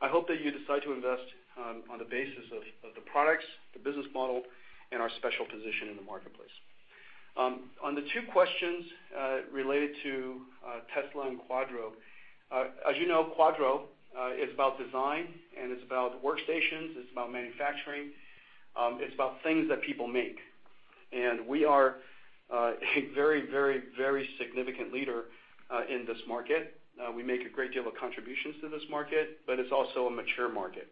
Speaker 5: I hope that you decide to invest on the basis of the products, the business model, and our special position in the marketplace. On the two questions related to Tesla and Quadro. As you know, Quadro is about design, it's about workstations, it's about manufacturing. It's about things that people make. We are a very significant leader in this market. We make a great deal of contributions to this market, it's also a mature market.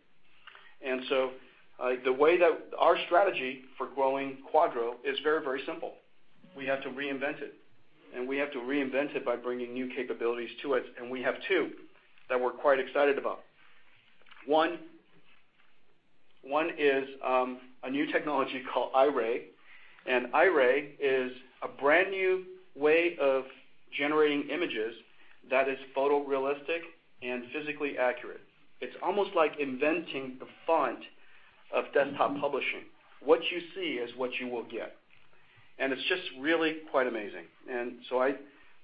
Speaker 5: Our strategy for growing Quadro is very simple. We have to reinvent it. We have to reinvent it by bringing new capabilities to it, and we have two that we're quite excited about. One is a new technology called Iray is a brand-new way of generating images that is photorealistic and physically accurate. It's almost like inventing the font of desktop publishing. What you see is what you will get. It's just really quite amazing.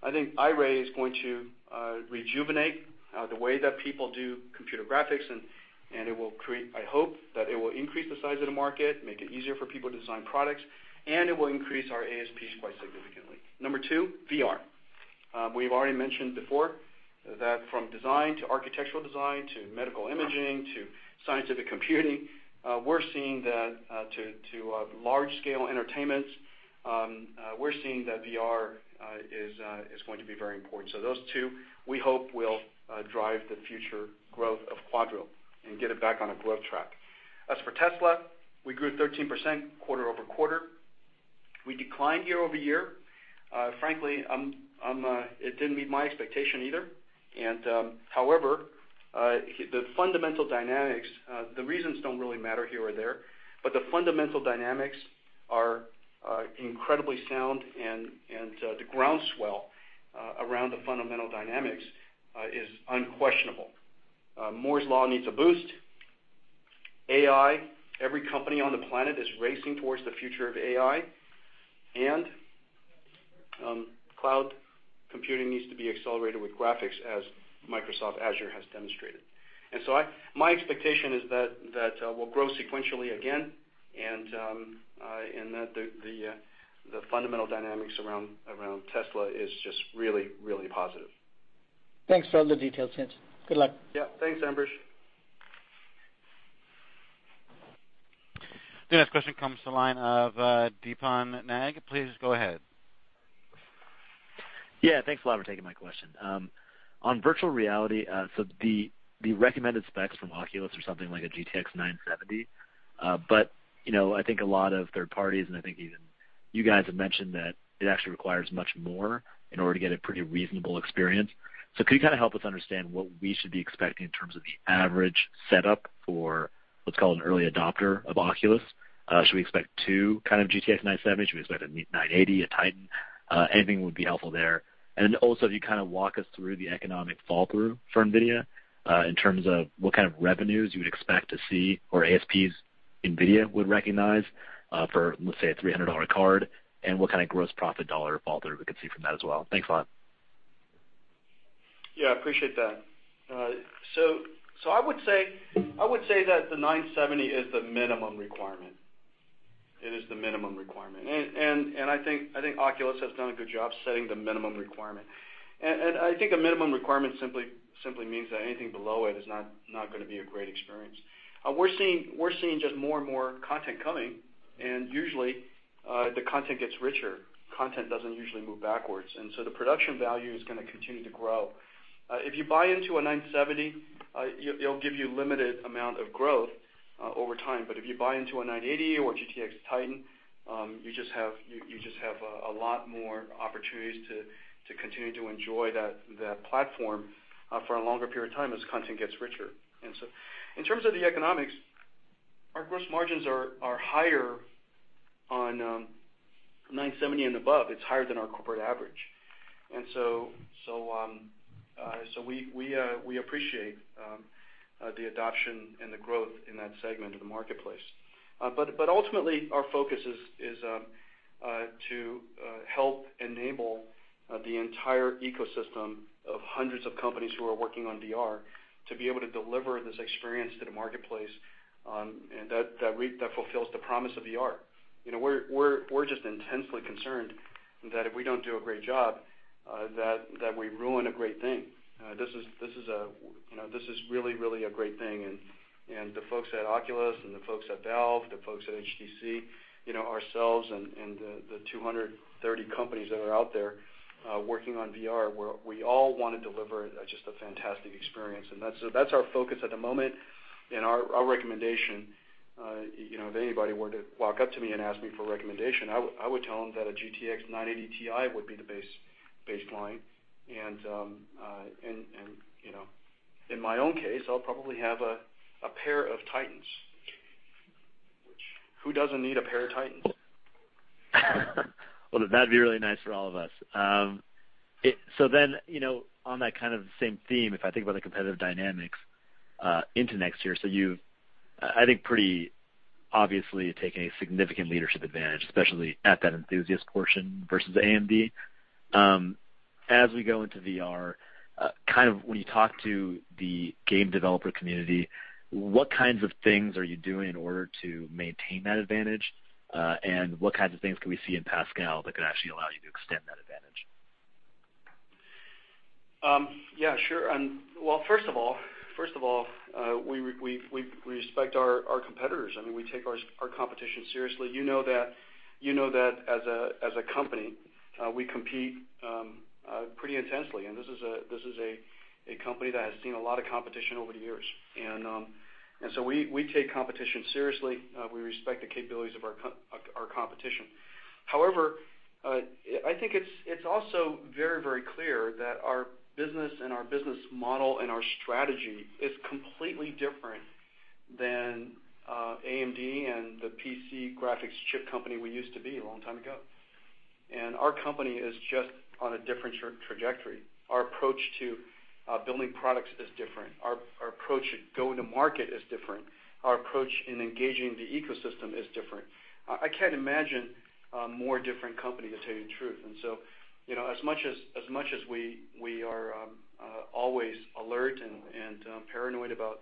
Speaker 5: I think Iray is going to rejuvenate the way that people do computer graphics, I hope that it will increase the size of the market, make it easier for people to design products, and it will increase our ASPs quite significantly. Number 2, VR. We've already mentioned before that from design to architectural design to medical imaging to scientific computing, to large scale entertainments, we're seeing that VR is going to be very important. Those two, we hope, will drive the future growth of Quadro and get it back on a growth track. As for Tesla, we grew 13% quarter-over-quarter. We declined year-over-year. Frankly, it didn't meet my expectation either. However, the fundamental dynamics, the reasons don't really matter here or there, but the fundamental dynamics are incredibly sound and the ground swell around the fundamental dynamics is unquestionable. Moore's Law needs a boost. AI, every company on the planet is racing towards the future of AI. Cloud computing needs to be accelerated with graphics as Microsoft Azure has demonstrated. My expectation is that we'll grow sequentially again, and that the fundamental dynamics around Tesla is just really positive.
Speaker 10: Thanks for all the details, Jensen. Good luck.
Speaker 5: Yeah. Thanks, Ambrish.
Speaker 1: The next question comes to the line of Deepon Nag. Please go ahead.
Speaker 11: Yeah, thanks a lot for taking my question. On virtual reality, the recommended specs from Oculus are something like a GTX 970. I think a lot of third parties, and I think even you guys have mentioned that it actually requires much more in order to get a pretty reasonable experience. Could you help us understand what we should be expecting in terms of the average setup for, let's call it an early adopter of Oculus? Should we expect two kind of GTX 970? Should we expect a new 980, a Titan? Anything would be helpful there. Also, if you walk us through the economic fall through for NVIDIA, in terms of what kind of revenues you would expect to see or ASPs NVIDIA would recognize for, let's say a $300 card, and what kind of gross profit dollar fall through we could see from that as well. Thanks a lot.
Speaker 5: Yeah, appreciate that. I would say that the 970 is the minimum requirement. It is the minimum requirement. I think Oculus has done a good job setting the minimum requirement. I think a minimum requirement simply means that anything below it is not going to be a great experience. We're seeing just more and more content coming, and usually, the content gets richer. Content doesn't usually move backwards. The production value is going to continue to grow. If you buy into a 970, it'll give you limited amount of growth over time. If you buy into a 980 or GTX Titan, you just have a lot more opportunities to continue to enjoy that platform for a longer period of time as content gets richer. In terms of the economics, our gross margins are higher on 970 and above. It's higher than our corporate average. We appreciate the adoption and the growth in that segment of the marketplace. Ultimately, our focus is to help enable the entire ecosystem of hundreds of companies who are working on VR to be able to deliver this experience to the marketplace, and that fulfills the promise of VR. We're just intensely concerned that if we don't do a great job, that we ruin a great thing. This is really a great thing, and the folks at Oculus and the folks at Valve, the folks at HTC, ourselves, and the 230 companies that are out there working on VR, we all want to deliver just a fantastic experience. That's our focus at the moment and our recommendation. If anybody were to walk up to me and ask me for a recommendation, I would tell them that a GTX 980 Ti would be the baseline. In my own case, I'll probably have a pair of Titans. Who doesn't need a pair of Titans?
Speaker 11: Well, that'd be really nice for all of us. On that same theme, if I think about the competitive dynamics into next year, you've, I think, pretty obviously taken a significant leadership advantage, especially at that enthusiast portion versus AMD. As we go into VR, when you talk to the game developer community, what kinds of things are you doing in order to maintain that advantage? What kinds of things can we see in Pascal that could actually allow you to extend that advantage?
Speaker 5: Yeah, sure. Well, first of all, we respect our competitors. We take our competition seriously. You know that as a company, we compete pretty intensely, this is a company that has seen a lot of competition over the years. We take competition seriously. We respect the capabilities of our competition. However, I think it's also very clear that our business and our business model and our strategy is completely different than AMD and the PC graphics chip company we used to be a long time ago. Our company is just on a different trajectory. Our approach to building products is different. Our approach at go-to-market is different. Our approach in engaging the ecosystem is different. I can't imagine a more different company, to tell you the truth. As much as we are always alert and paranoid about,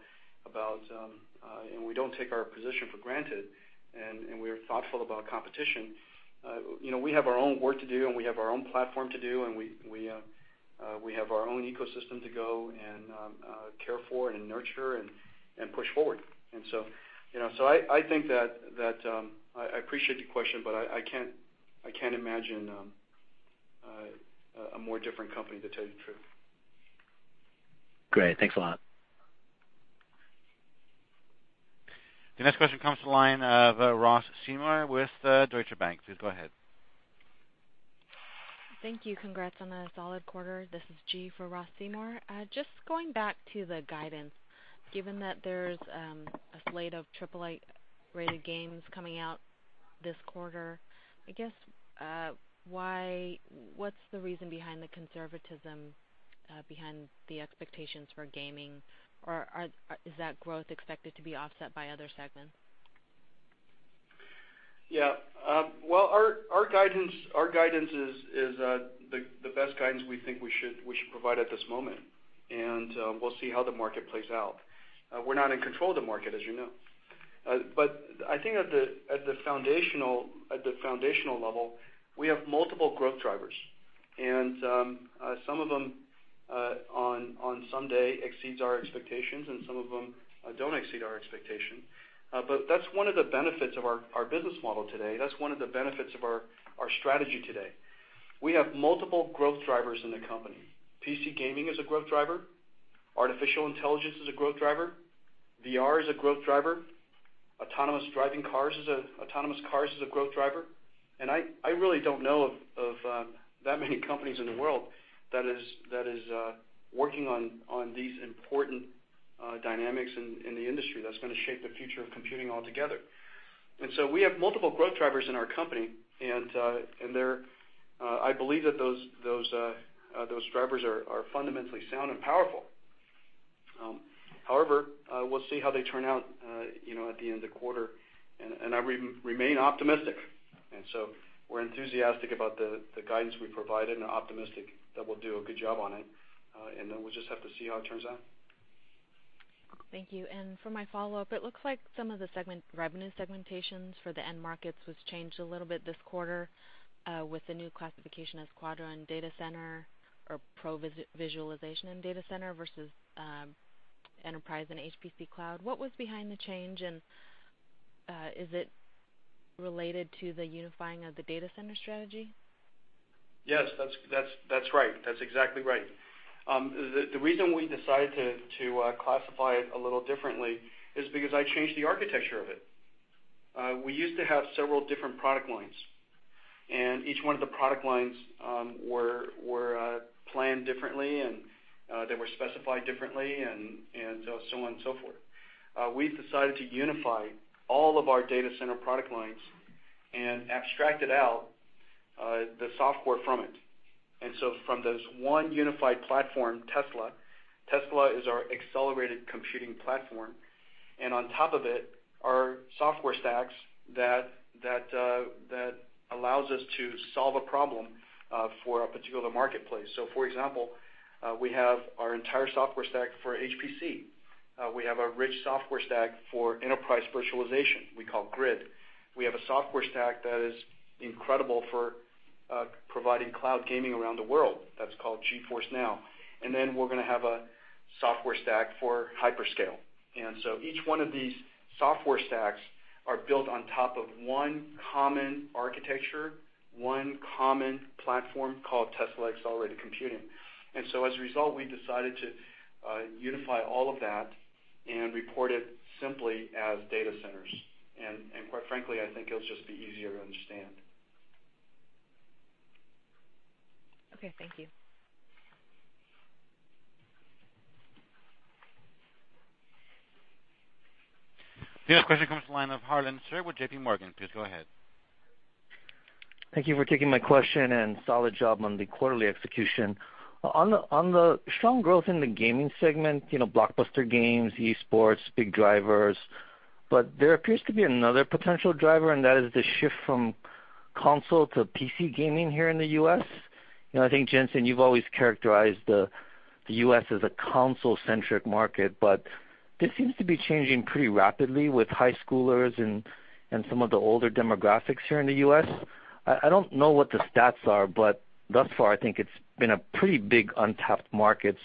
Speaker 5: we don't take our position for granted, we are thoughtful about competition, we have our own work to do, we have our own platform to do, we have our own ecosystem to go and care for and nurture and push forward. I think that I appreciate your question, I can't imagine a more different company, to tell you the truth.
Speaker 11: Great. Thanks a lot.
Speaker 1: The next question comes to the line of Ross Seymore with Deutsche Bank. Please go ahead.
Speaker 12: Thank you. Congrats on a solid quarter. This is Ji for Ross Seymore. Going back to the guidance, given that there's a slate of AAA-rated games coming out this quarter, I guess, what's the reason behind the conservatism behind the expectations for gaming? Is that growth expected to be offset by other segments?
Speaker 5: Well, our guidance is the best guidance we think we should provide at this moment, and we'll see how the market plays out. We're not in control of the market, as you know. I think at the foundational level, we have multiple growth drivers, and some of them on Sunday exceeds our expectations, and some of them don't exceed our expectation. That's one of the benefits of our business model today. That's one of the benefits of our strategy today. We have multiple growth drivers in the company. PC gaming is a growth driver. Artificial intelligence is a growth driver. VR is a growth driver. Autonomous cars is a growth driver. I really don't know of that many companies in the world that is working on these important dynamics in the industry that's going to shape the future of computing altogether. We have multiple growth drivers in our company, and I believe that those drivers are fundamentally sound and powerful. However, we'll see how they turn out at the end of the quarter, and I remain optimistic. We're enthusiastic about the guidance we provided and optimistic that we'll do a good job on it. We'll just have to see how it turns out.
Speaker 12: Thank you. For my follow-up, it looks like some of the revenue segmentations for the end markets was changed a little bit this quarter with the new classification as Quadro and data center or pro visualization and data center versus enterprise and HPC cloud. What was behind the change, and is it related to the unifying of the data center strategy?
Speaker 5: Yes, that's right. That's exactly right. The reason we decided to classify it a little differently is because I changed the architecture of it. We used to have several different product lines, and each one of the product lines were planned differently, and they were specified differently, and so on and so forth. We've decided to unify all of our data center product lines and abstract out the software from it. From this one unified platform, Tesla is our accelerated computing platform, and on top of it are software stacks that allows us to solve a problem for a particular marketplace. So for example, we have our entire software stack for HPC. We have a rich software stack for enterprise virtualization we call NVIDIA GRID. We have a software stack that is incredible for providing cloud gaming around the world, that's called GeForce NOW. We're going to have a software stack for hyperscale. Each one of these software stacks are built on top of one common architecture, one common platform called Tesla Accelerated Computing. As a result, we decided to unify all of that and report it simply as data centers. Quite frankly, I think it'll just be easier to understand.
Speaker 12: Okay. Thank you.
Speaker 1: The next question comes from the line of Harlan Sur with J.P. Morgan. Please go ahead.
Speaker 13: Thank you for taking my question and solid job on the quarterly execution. On the strong growth in the gaming segment, blockbuster games, esports, big drivers, but there appears to be another potential driver, and that is the shift from console to PC gaming here in the U.S. I think, Jensen, you've always characterized the U.S. as a console-centric market, but this seems to be changing pretty rapidly with high schoolers and some of the older demographics here in the U.S. I don't know what the stats are, but thus far, I think it's been a pretty big untapped market.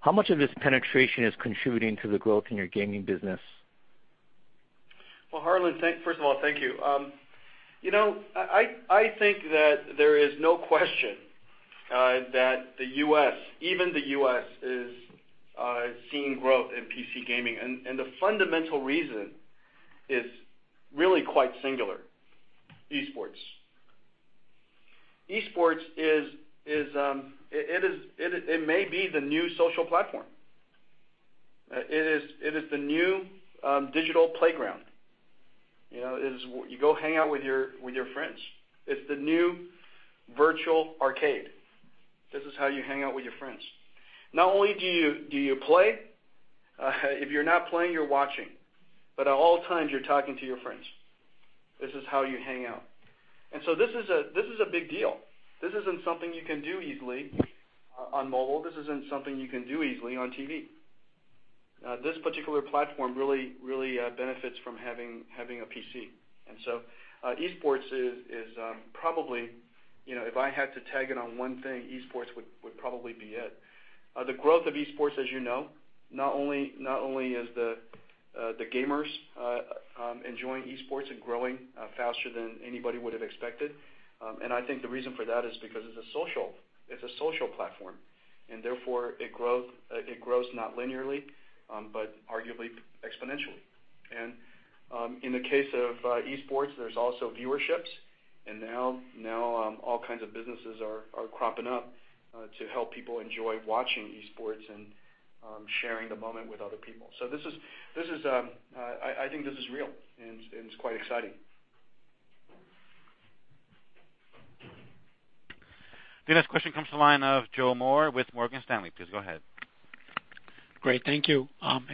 Speaker 13: How much of this penetration is contributing to the growth in your gaming business?
Speaker 5: Well, Harlan, first of all, thank you. I think that there is no question that even the U.S. is seeing growth in PC gaming, and the fundamental reason is really quite singular, esports. Esports, it may be the new social platform. It is the new digital playground. You go hang out with your friends. It's the new virtual arcade. This is how you hang out with your friends. Not only do you play, if you're not playing, you're watching, but at all times, you're talking to your friends. This is how you hang out. This is a big deal. This isn't something you can do easily on mobile. This isn't something you can do easily on TV. This particular platform really benefits from having a PC. Esports is probably, if I had to tag it on one thing, esports would probably be it. The growth of esports, as you know, not only is the gamers enjoying esports and growing faster than anybody would have expected. I think the reason for that is because it's a social platform, and therefore, it grows not linearly, but arguably exponentially. In the case of esports, there's also viewerships, and now all kinds of businesses are cropping up to help people enjoy watching esports and sharing the moment with other people. I think this is real, and it's quite exciting.
Speaker 1: The next question comes from the line of Joseph Moore with Morgan Stanley. Please go ahead.
Speaker 14: Great. Thank you.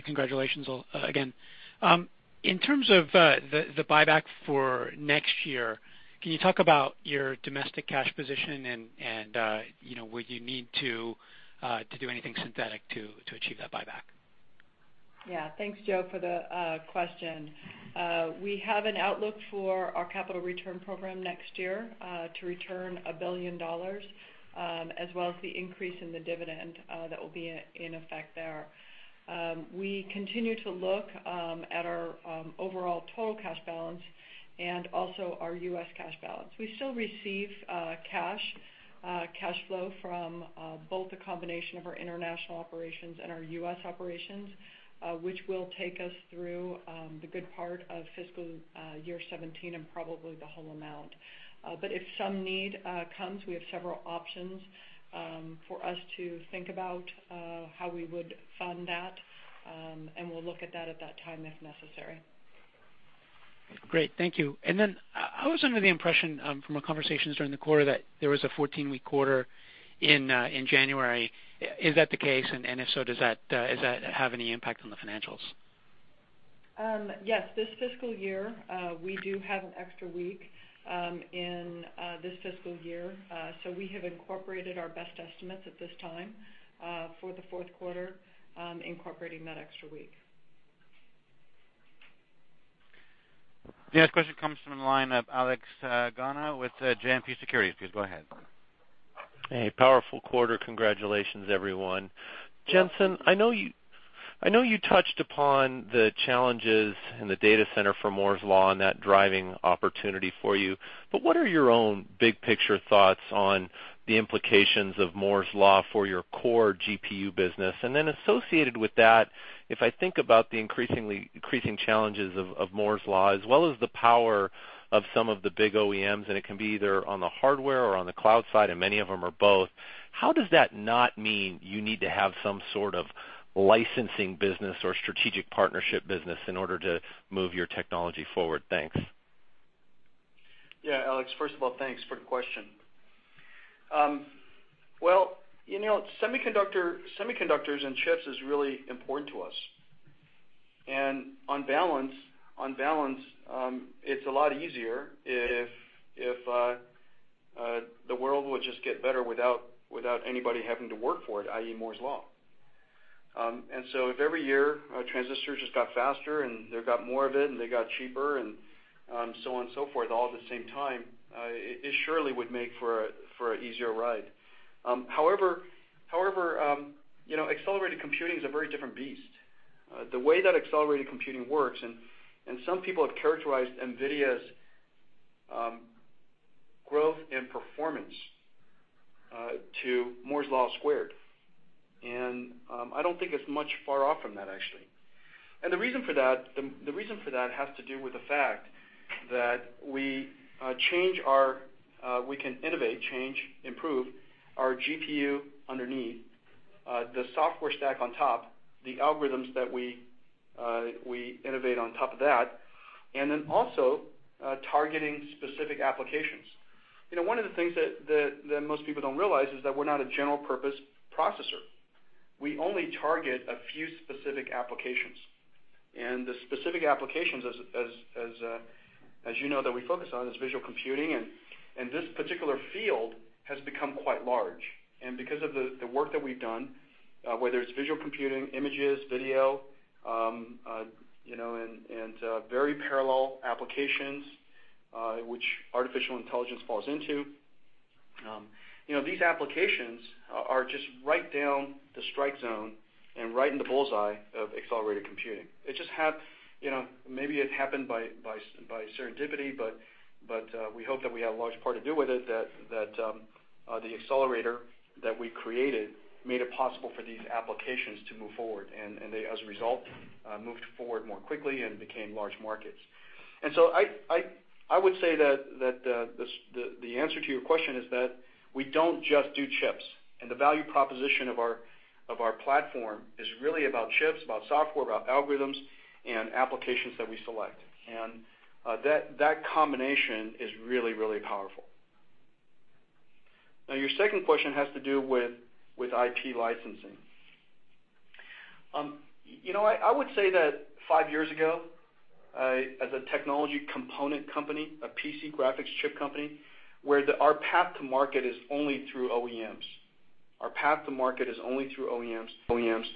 Speaker 14: Congratulations again. In terms of the buyback for next year, can you talk about your domestic cash position and would you need to do anything synthetic to achieve that buyback?
Speaker 3: Yeah. Thanks, Joe, for the question. We have an outlook for our capital return program next year to return $1 billion, as well as the increase in the dividend that will be in effect there. We continue to look at our overall total cash balance and also our U.S. cash balance. We still receive cash flow from both the combination of our international operations and our U.S. operations, which will take us through the good part of fiscal year 2017 and probably the whole amount. If some need comes, we have several options for us to think about how we would fund that, and we'll look at that at that time if necessary.
Speaker 14: Great. Thank you. I was under the impression from our conversations during the quarter that there was a 14-week quarter in January. Is that the case? If so, does that have any impact on the financials?
Speaker 3: Yes. This fiscal year, we do have an extra week in this fiscal year. We have incorporated our best estimates at this time for the fourth quarter, incorporating that extra week.
Speaker 1: The next question comes from the line of Alex Gauna with JMP Securities. Please go ahead.
Speaker 15: Hey. Powerful quarter. Congratulations, everyone. Jensen, I know you touched upon the challenges in the data center for Moore's Law and that driving opportunity for you, but what are your own big picture thoughts on the implications of Moore's Law for your core GPU business? Associated with that, if I think about the increasing challenges of Moore's Law, as well as the power of some of the big OEMs, and it can be either on the hardware or on the cloud side, and many of them are both. How does that not mean you need to have some sort of licensing business or strategic partnership business in order to move your technology forward? Thanks.
Speaker 5: Yeah, Alex. First of all, thanks for the question. Well, semiconductors and chips is really important to us. On balance, it's a lot easier if the world would just get better without anybody having to work for it, i.e., Moore's Law. So if every year transistors just got faster and they got more of it and they got cheaper and so on and so forth, all at the same time, it surely would make for an easier ride. However, accelerated computing is a very different beast. The way that accelerated computing works, and some people have characterized NVIDIA's growth and performance to Moore's Law squared, and I don't think it's much far off from that, actually. The reason for that has to do with the fact that we can innovate, change, improve our GPU underneath, the software stack on top, the algorithms that we innovate on top of that, and then also targeting specific applications. One of the things that most people don't realize is that we're not a general purpose processor. We only target a few specific applications. The specific applications, as you know, that we focus on is visual computing, and this particular field has become quite large. Because of the work that we've done, whether it's visual computing, images, video, and very parallel applications, which artificial intelligence falls into. These applications are just right down the strike zone and right in the bullseye of accelerated computing. Maybe it happened by serendipity, but we hope that we have a large part to do with it, that the accelerator that we created made it possible for these applications to move forward. They, as a result, moved forward more quickly and became large markets. So I would say that the answer to your question is that we don't just do chips. The value proposition of our platform is really about chips, about software, about algorithms, and applications that we select. That combination is really powerful. Now, your second question has to do with IP licensing. I would say that five years ago, as a technology component company, a PC graphics chip company, where our path to market is only through OEMs, and our path to market is only through OEMs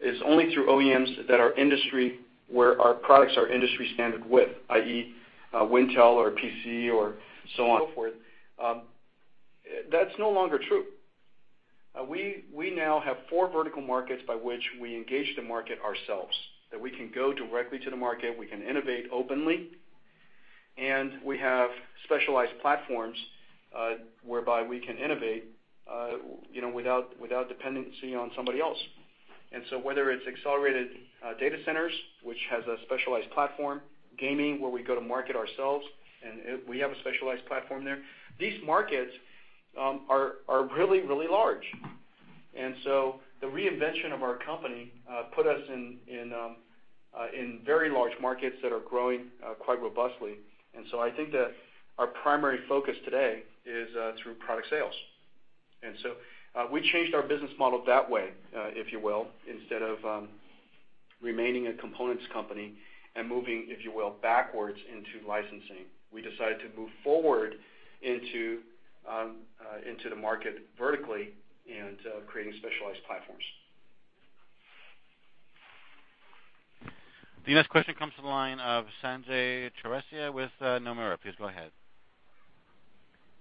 Speaker 5: that are industry, where our products are industry standard with, i.e., Wintel or PC or so on and so forth. That's no longer true. We now have four vertical markets by which we engage the market ourselves, that we can go directly to the market, we can innovate openly, and we have specialized platforms whereby we can innovate without dependency on somebody else. So whether it's accelerated data centers, which has a specialized platform, gaming, where we go to market ourselves, and we have a specialized platform there. These markets are really large. So the reinvention of our company put us in very large markets that are growing quite robustly. I think that our primary focus today is through product sales. We changed our business model that way, if you will, instead of remaining a components company and moving, if you will, backwards into licensing. We decided to move forward into the market vertically and creating specialized platforms.
Speaker 1: The next question comes to the line of Sanjay Chaurasia with Nomura. Please go ahead.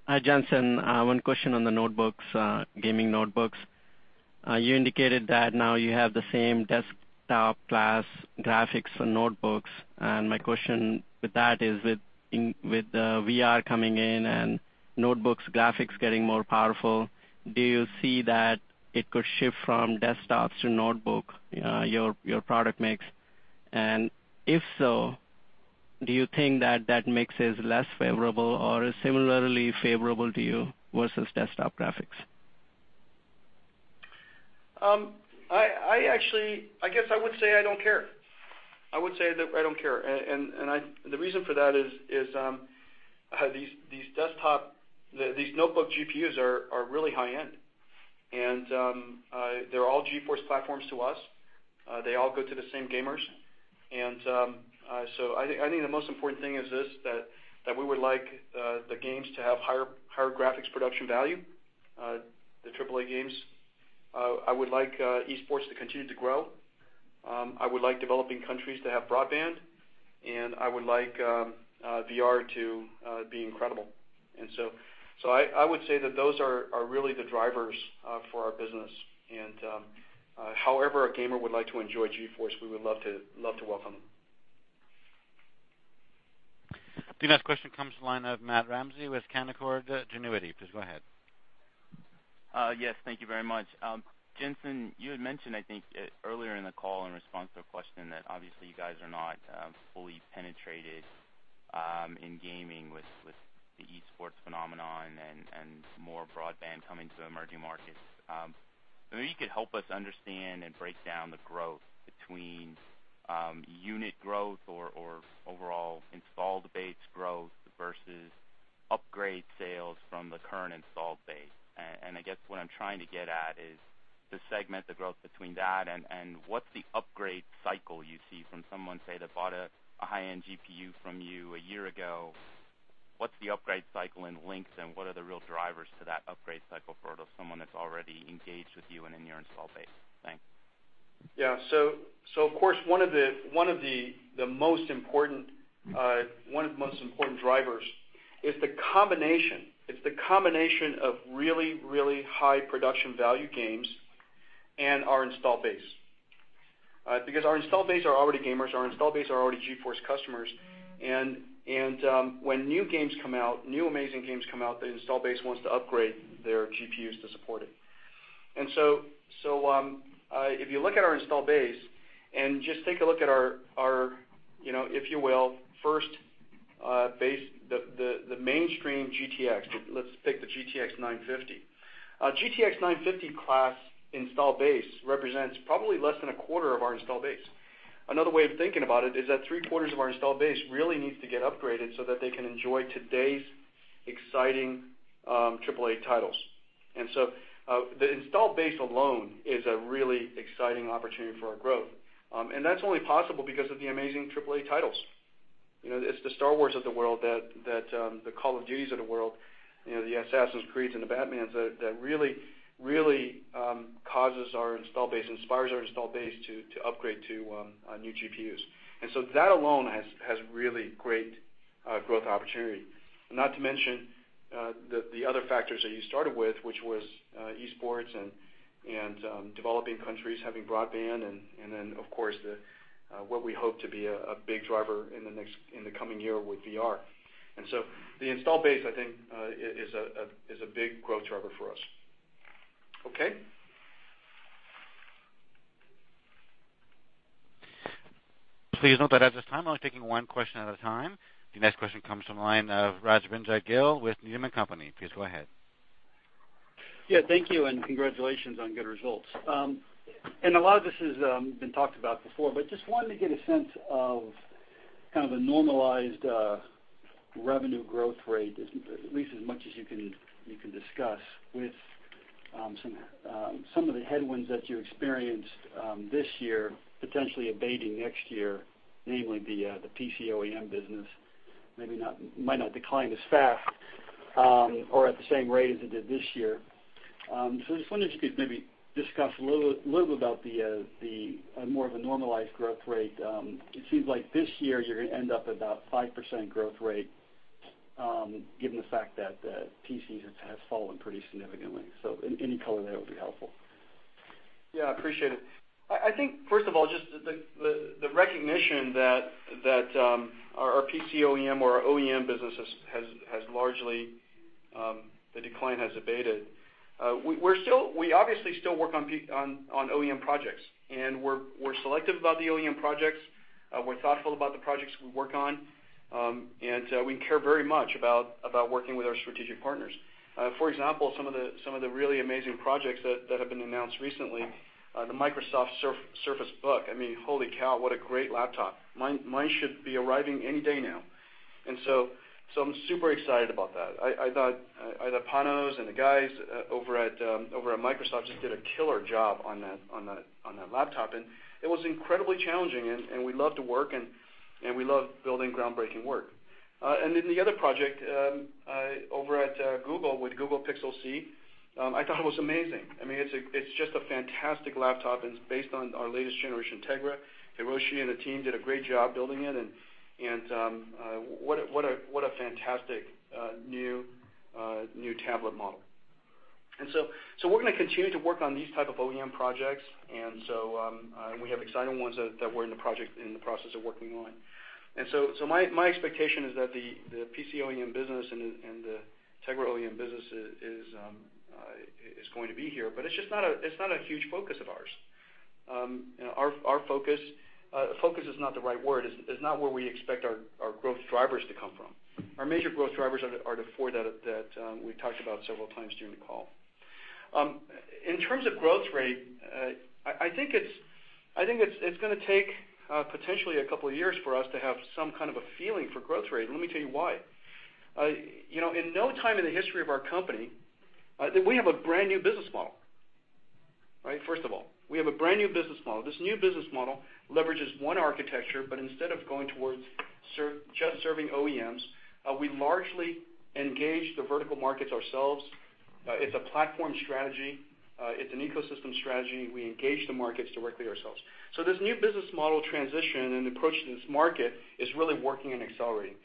Speaker 16: Hi, Jensen. One question on the notebooks, gaming notebooks. You indicated that now you have the same desktop class graphics for notebooks. My question with that is with VR coming in and notebooks graphics getting more powerful, do you see that it could shift from desktops to notebook, your product mix? If so, do you think that mix is less favorable or similarly favorable to you versus desktop graphics?
Speaker 5: I guess I would say I don't care. I would say that I don't care. The reason for that is these notebook GPUs are really high end. They're all GeForce platforms to us. They all go to the same gamers. So I think the most important thing is this, that we would like the games to have higher graphics production value, the AAA games. I would like esports to continue to grow. I would like developing countries to have broadband, and I would like VR to be incredible. So I would say that those are really the drivers for our business. However a gamer would like to enjoy GeForce, we would love to welcome them.
Speaker 1: The next question comes to the line of Matthew Ramsay with Canaccord Genuity. Please go ahead.
Speaker 17: Yes. Thank you very much. Jensen, you had mentioned, I think earlier in the call in response to a question that obviously you guys are not fully penetrated in gaming with the esports phenomenon and some more broadband coming to the emerging markets. Maybe you could help us understand and break down the growth between unit growth or overall installed base growth versus upgrade sales from the current installed base. I guess what I'm trying to get at is the segment, the growth between that and what's the upgrade cycle you see from someone, say, that bought a high-end GPU from you a year ago. What's the upgrade cycle in length, and what are the real drivers to that upgrade cycle for someone that's already engaged with you and in your install base? Thanks.
Speaker 5: Yeah. Of course, one of the most important drivers is the combination. It's the combination of really, really high production value games and our install base. Because our install base are already gamers, our install base are already GeForce customers, and when new games come out, new amazing games come out, the install base wants to upgrade their GPUs to support it. If you look at our install base, and just take a look at our, if you will, first base, the mainstream GTX. Let's take the GTX 950. GTX 950 class install base represents probably less than a quarter of our install base. Another way of thinking about it is that three-quarters of our install base really needs to get upgraded so that they can enjoy today's exciting AAA titles. The install base alone is a really exciting opportunity for our growth. That's only possible because of the amazing AAA titles. It's the Star Wars of the world, the Call of Duties of the world, the Assassin's Creeds and the Batmans that really causes our install base, inspires our install base to upgrade to new GPUs. That alone has really great growth opportunity. Not to mention the other factors that you started with, which was esports and developing countries having broadband, and then, of course, what we hope to be a big driver in the coming year with VR. The install base, I think is a big growth driver for us. Okay.
Speaker 1: Please note that at this time, I'm only taking one question at a time. The next question comes from the line of Rajvindra Gill with Needham & Company. Please go ahead.
Speaker 18: Yeah, thank you, and congratulations on good results. A lot of this has been talked about before, but just wanted to get a sense of kind of a normalized revenue growth rate, at least as much as you can discuss with some of the headwinds that you experienced this year, potentially abating next year, namely the PC OEM business might not decline as fast or at the same rate as it did this year. I just wondered if you could maybe discuss a little bit about more of a normalized growth rate. It seems like this year you're going to end up about 5% growth rate, given the fact that PCs have fallen pretty significantly. Any color there would be helpful.
Speaker 5: Yeah, I appreciate it. I think, first of all, just the recognition that our PC OEM or our OEM business, largely the decline has abated. We obviously still work on OEM projects, and we're selective about the OEM projects. We're thoughtful about the projects we work on. We care very much about working with our strategic partners. For example, some of the really amazing projects that have been announced recently, the Microsoft Surface Book. I mean, holy cow, what a great laptop. Mine should be arriving any day now. I'm super excited about that. I thought Panos and the guys over at Microsoft just did a killer job on that laptop, and it was incredibly challenging, and we love to work, and we love building groundbreaking work. The other project over at Google with Google Pixel C, I thought it was amazing. It's just a fantastic laptop, and it's based on our latest generation Tegra. Hiroshi and the team did a great job building it, and what a fantastic new tablet model. We're going to continue to work on these type of OEM projects, and we have exciting ones that we're in the process of working on. My expectation is that the PC OEM business and the Tegra OEM business is going to be here, but it's not a huge focus of ours. Our focus is not the right word. It's not where we expect our growth drivers to come from. Our major growth drivers are the four that we talked about several times during the call. In terms of growth rate, I think it's going to take potentially a couple of years for us to have some kind of a feeling for growth rate, and let me tell you why. In no time in the history of our company, we have a brand new business model, right? First of all, we have a brand new business model. This new business model leverages one architecture, but instead of going towards just serving OEMs, we largely engage the vertical markets ourselves. It's a platform strategy. It's an ecosystem strategy. We engage the markets directly ourselves. This new business model transition and approach to this market is really working and accelerating.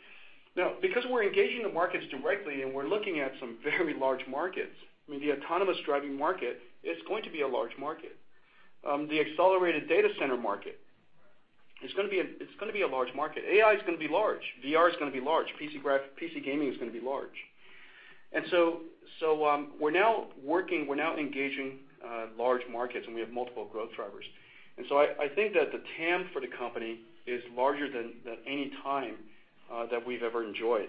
Speaker 5: Now, because we're engaging the markets directly and we're looking at some very large markets, I mean, the autonomous driving market is going to be a large market. The accelerated data center market is going to be a large market. AI is going to be large, VR is going to be large, PC gaming is going to be large. We're now engaging large markets, and we have multiple growth drivers. I think that the TAM for the company is larger than any time that we've ever enjoyed.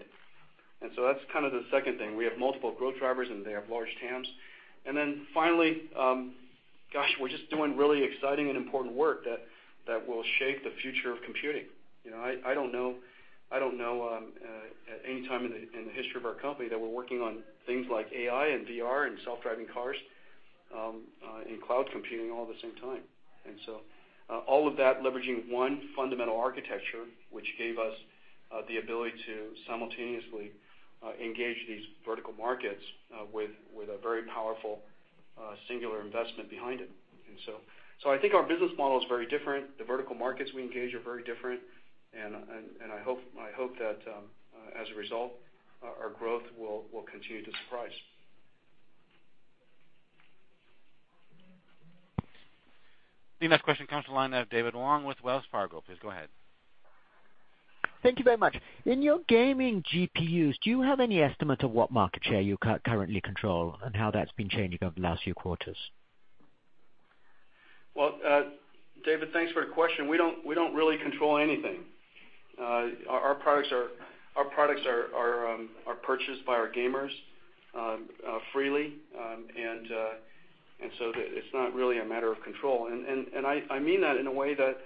Speaker 5: That's the second thing. We have multiple growth drivers, and they have large TAMs. Finally, gosh, we're just doing really exciting and important work that will shape the future of computing. I don't know at any time in the history of our company that we're working on things like AI and VR and self-driving cars and cloud computing all at the same time. All of that leveraging one fundamental architecture, which gave us the ability to simultaneously engage these vertical markets with a very powerful singular investment behind it. I think our business model is very different. The vertical markets we engage are very different, and I hope that, as a result, our growth will continue to surprise.
Speaker 1: The next question comes to the line of David Wong with Wells Fargo. Please go ahead.
Speaker 19: Thank you very much. In your gaming GPUs, do you have any estimate of what market share you currently control and how that's been changing over the last few quarters?
Speaker 5: Well, David, thanks for the question. We don't really control anything. Our products are purchased by our gamers freely. So it's not really a matter of control. I mean that in a way that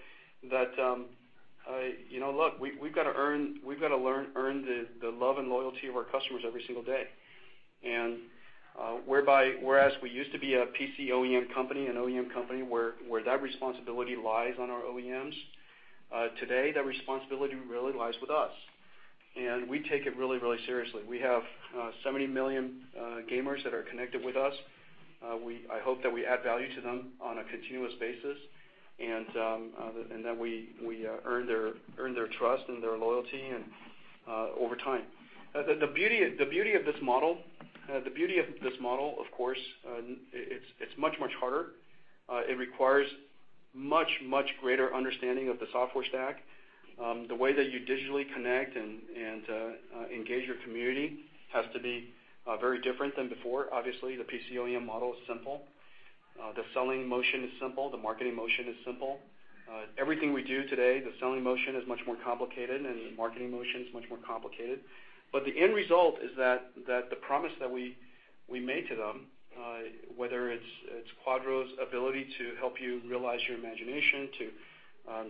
Speaker 5: look, we've got to earn the love and loyalty of our customers every single day. Whereas we used to be a PC OEM company, an OEM company where that responsibility lies on our OEMs, today, that responsibility really lies with us, and we take it really seriously. We have 70 million gamers that are connected with us. I hope that we add value to them on a continuous basis, and that we earn their trust and their loyalty over time. The beauty of this model, of course, it's much, much harder. It requires much, much greater understanding of the software stack. The way that you digitally connect and engage your community has to be very different than before. Obviously, the PC OEM model is simple. The selling motion is simple. The marketing motion is simple. Everything we do today, the selling motion is much more complicated, and the marketing motion is much more complicated. The end result is that the promise that we make to them, whether it's Quadro's ability to help you realize your imagination to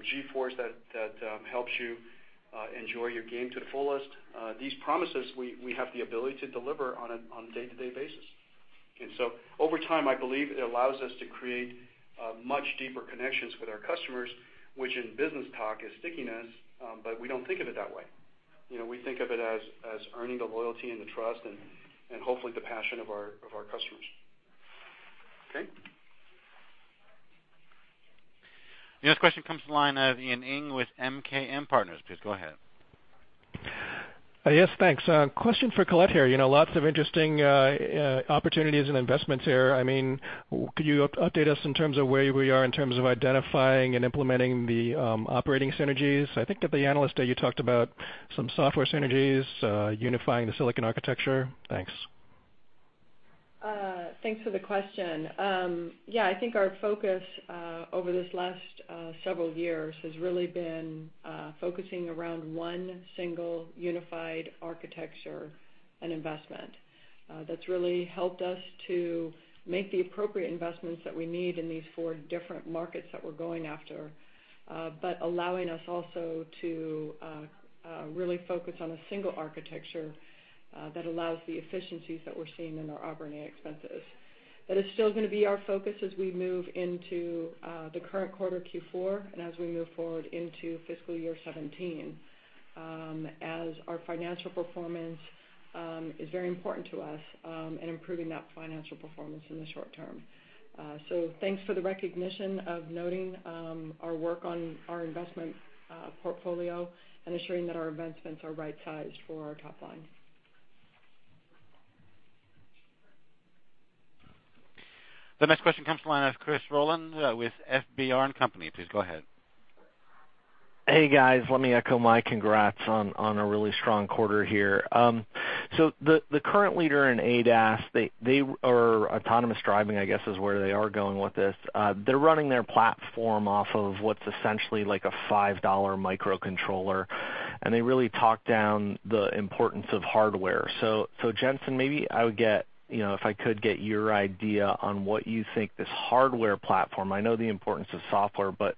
Speaker 5: GeForce that helps you enjoy your game to the fullest, these promises we have the ability to deliver on a day-to-day basis. So over time, I believe it allows us to create much deeper connections with our customers, which in business talk is stickiness, but we don't think of it that way. We think of it as earning the loyalty and the trust and hopefully the passion of our customers. Okay.
Speaker 1: The next question comes to the line of Ian Ing with MKM Partners. Please go ahead.
Speaker 20: Yes, thanks. Question for Colette here. Lots of interesting opportunities and investments here. Could you update us in terms of where we are in terms of identifying and implementing the operating synergies? I think at the Analyst Day, you talked about some software synergies unifying the silicon architecture. Thanks.
Speaker 3: Thanks for the question. Yeah, I think our focus over these last several years has really been focusing around one single unified architecture and investment. That's really helped us to make the appropriate investments that we need in these four different markets that we're going after, but allowing us also to really focus on a single architecture that allows the efficiencies that we're seeing in our operating expenses. That is still going to be our focus as we move into the current quarter, Q4, and as we move forward into fiscal year 2017, as our financial performance is very important to us and improving that financial performance in the short term. Thanks for the recognition of noting our work on our investment portfolio and ensuring that our investments are right-sized for our top line.
Speaker 1: The next question comes to the line of Christopher Rolland with FBR & Co.. Please go ahead.
Speaker 21: Hey, guys. Let me echo my congrats on a really strong quarter here. The current leader in ADAS, they are autonomous driving, I guess, is where they are going with this. They're running their platform off of what's essentially like a $5 microcontroller, and they really talk down the importance of hardware. Jensen, maybe if I could get your idea on what you think this hardware platform, I know the importance of software, but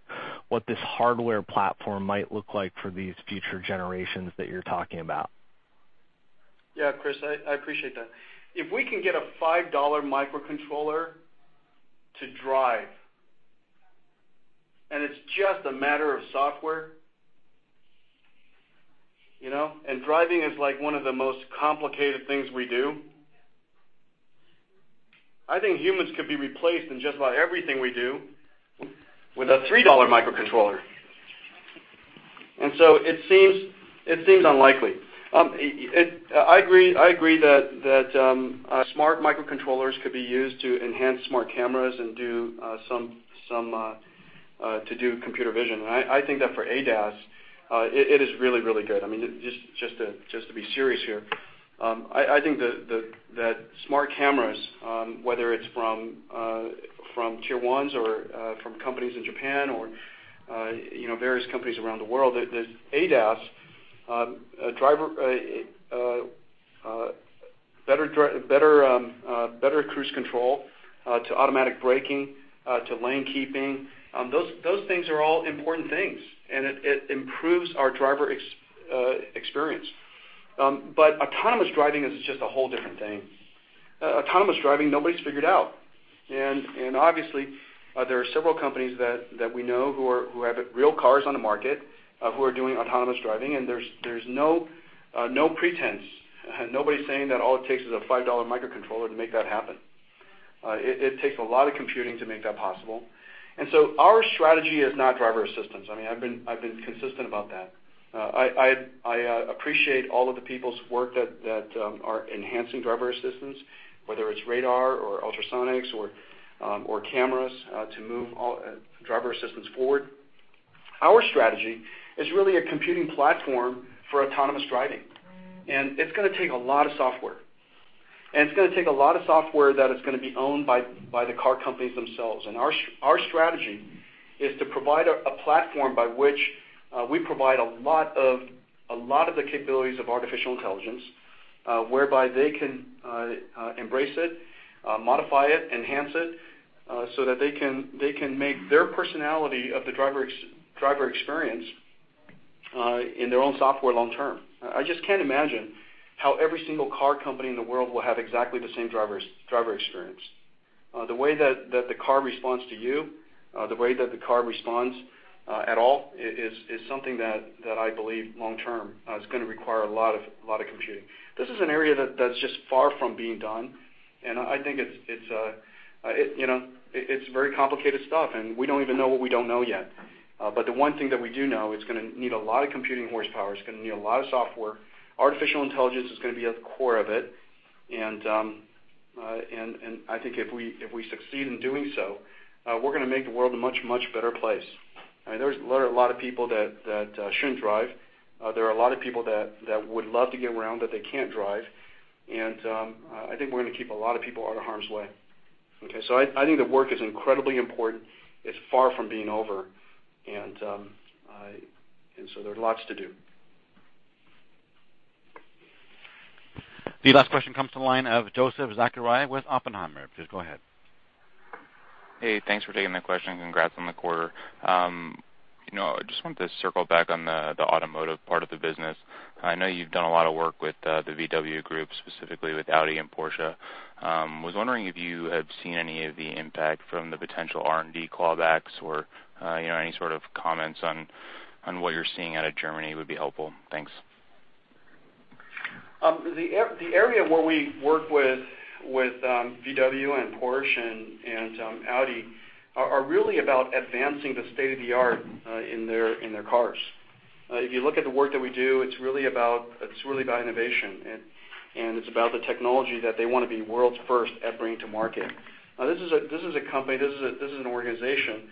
Speaker 21: what this hardware platform might look like for these future generations that you're talking about.
Speaker 5: Yeah, Chris, I appreciate that. If we can get a $5 microcontroller to drive, it's just a matter of software. Driving is one of the most complicated things we do. I think humans could be replaced in just about everything we do with a $3 microcontroller. It seems unlikely. I agree that smart microcontrollers could be used to enhance smart cameras and to do computer vision. I think that for ADAS, it is really, really good. Just to be serious here, I think that smart cameras, whether it's from tier ones or from companies in Japan or various companies around the world. ADAS, better cruise control to automatic braking, to lane keeping, those things are all important things, and it improves our driver experience. Autonomous driving is just a whole different thing. Autonomous driving, nobody's figured out. Obviously, there are several companies that we know who have real cars on the market, who are doing autonomous driving. There's no pretense. Nobody's saying that all it takes is a $5 microcontroller to make that happen. It takes a lot of computing to make that possible. Our strategy is not driver assistance. I've been consistent about that. I appreciate all of the people's work that are enhancing driver assistance, whether it's radar or ultrasonics or cameras, to move driver assistance forward. Our strategy is really a computing platform for autonomous driving, and it's going to take a lot of software. It's going to take a lot of software that is going to be owned by the car companies themselves. Our strategy is to provide a platform by which we provide a lot of the capabilities of artificial intelligence, whereby they can embrace it, modify it, enhance it, so that they can make their personality of the driver experience in their own software long term. I just can't imagine how every single car company in the world will have exactly the same driver experience. The way that the car responds to you, the way that the car responds at all, is something that I believe long term is going to require a lot of computing. This is an area that's just far from being done, and I think it's very complicated stuff, and we don't even know what we don't know yet. The one thing that we do know, it's going to need a lot of computing horsepower. It's going to need a lot of software. Artificial intelligence is going to be at the core of it, and I think if we succeed in doing so, we're going to make the world a much, much better place. There's a lot of people that shouldn't drive. There are a lot of people that would love to get around, but they can't drive. I think we're going to keep a lot of people out of harm's way. Okay. I think the work is incredibly important. It's far from being over, and so there's lots to do.
Speaker 1: The last question comes to the line of Joseph Zachariah with Oppenheimer. Please go ahead.
Speaker 22: Hey, thanks for taking the question. Congrats on the quarter. I just wanted to circle back on the automotive part of the business. I know you've done a lot of work with the Volkswagen Group, specifically with Audi and Porsche. Was wondering if you have seen any of the impact from the potential R&D callbacks or any sort of comments on what you're seeing out of Germany would be helpful. Thanks.
Speaker 5: The area where we work with Volkswagen and Porsche and Audi are really about advancing the state of the art in their cars. If you look at the work that we do, it's really about innovation, and it's about the technology that they want to be world's first at bringing to market. This is a company, this is an organization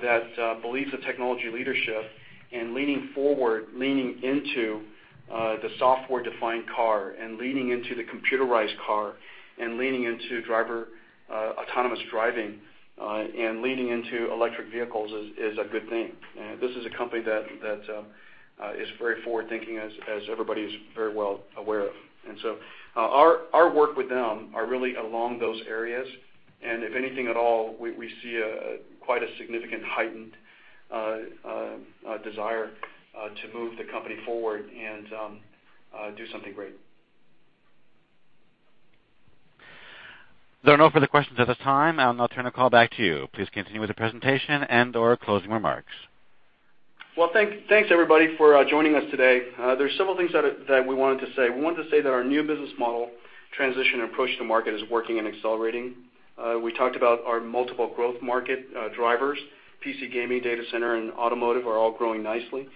Speaker 5: that believes in technology leadership and leaning forward, leaning into the software-defined car and leaning into the computerized car and leaning into driver autonomous driving, and leaning into electric vehicles is a good thing. This is a company that is very forward-thinking, as everybody is very well aware of. Our work with them are really along those areas, and if anything at all, we see quite a significant heightened desire to move the company forward and do something great.
Speaker 1: There are no further questions at this time. I'll now turn the call back to you. Please continue with the presentation and/or closing remarks.
Speaker 5: Well, thanks, everybody, for joining us today. There's several things that we wanted to say. We wanted to say that our new business model transition approach to market is working and accelerating. We talked about our multiple growth market drivers, PC gaming, data center, and automotive are all growing nicely.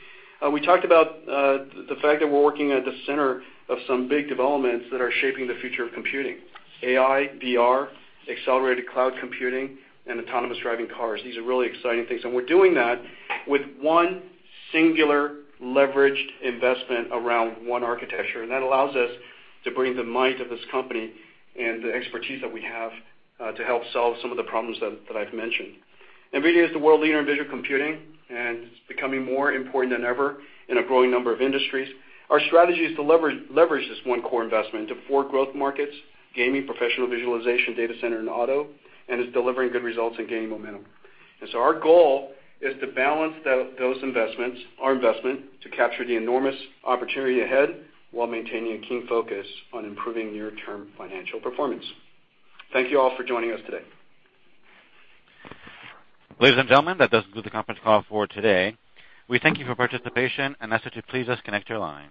Speaker 5: We talked about the fact that we're working at the center of some big developments that are shaping the future of computing, AI, VR, accelerated cloud computing, and autonomous driving cars. These are really exciting things, and we're doing that with one singular leveraged investment around one architecture, and that allows us to bring the might of this company and the expertise that we have to help solve some of the problems that I've mentioned. NVIDIA is the world leader in visual computing, and it's becoming more important than ever in a growing number of industries. Our strategy is to leverage this one core investment into four growth markets: gaming, professional visualization, data center, and auto, and is delivering good results and gaining momentum. Our goal is to balance our investment to capture the enormous opportunity ahead while maintaining a keen focus on improving near-term financial performance. Thank you all for joining us today.
Speaker 1: Ladies and gentlemen, that does conclude the conference call for today. We thank you for participation and ask that you please disconnect your line.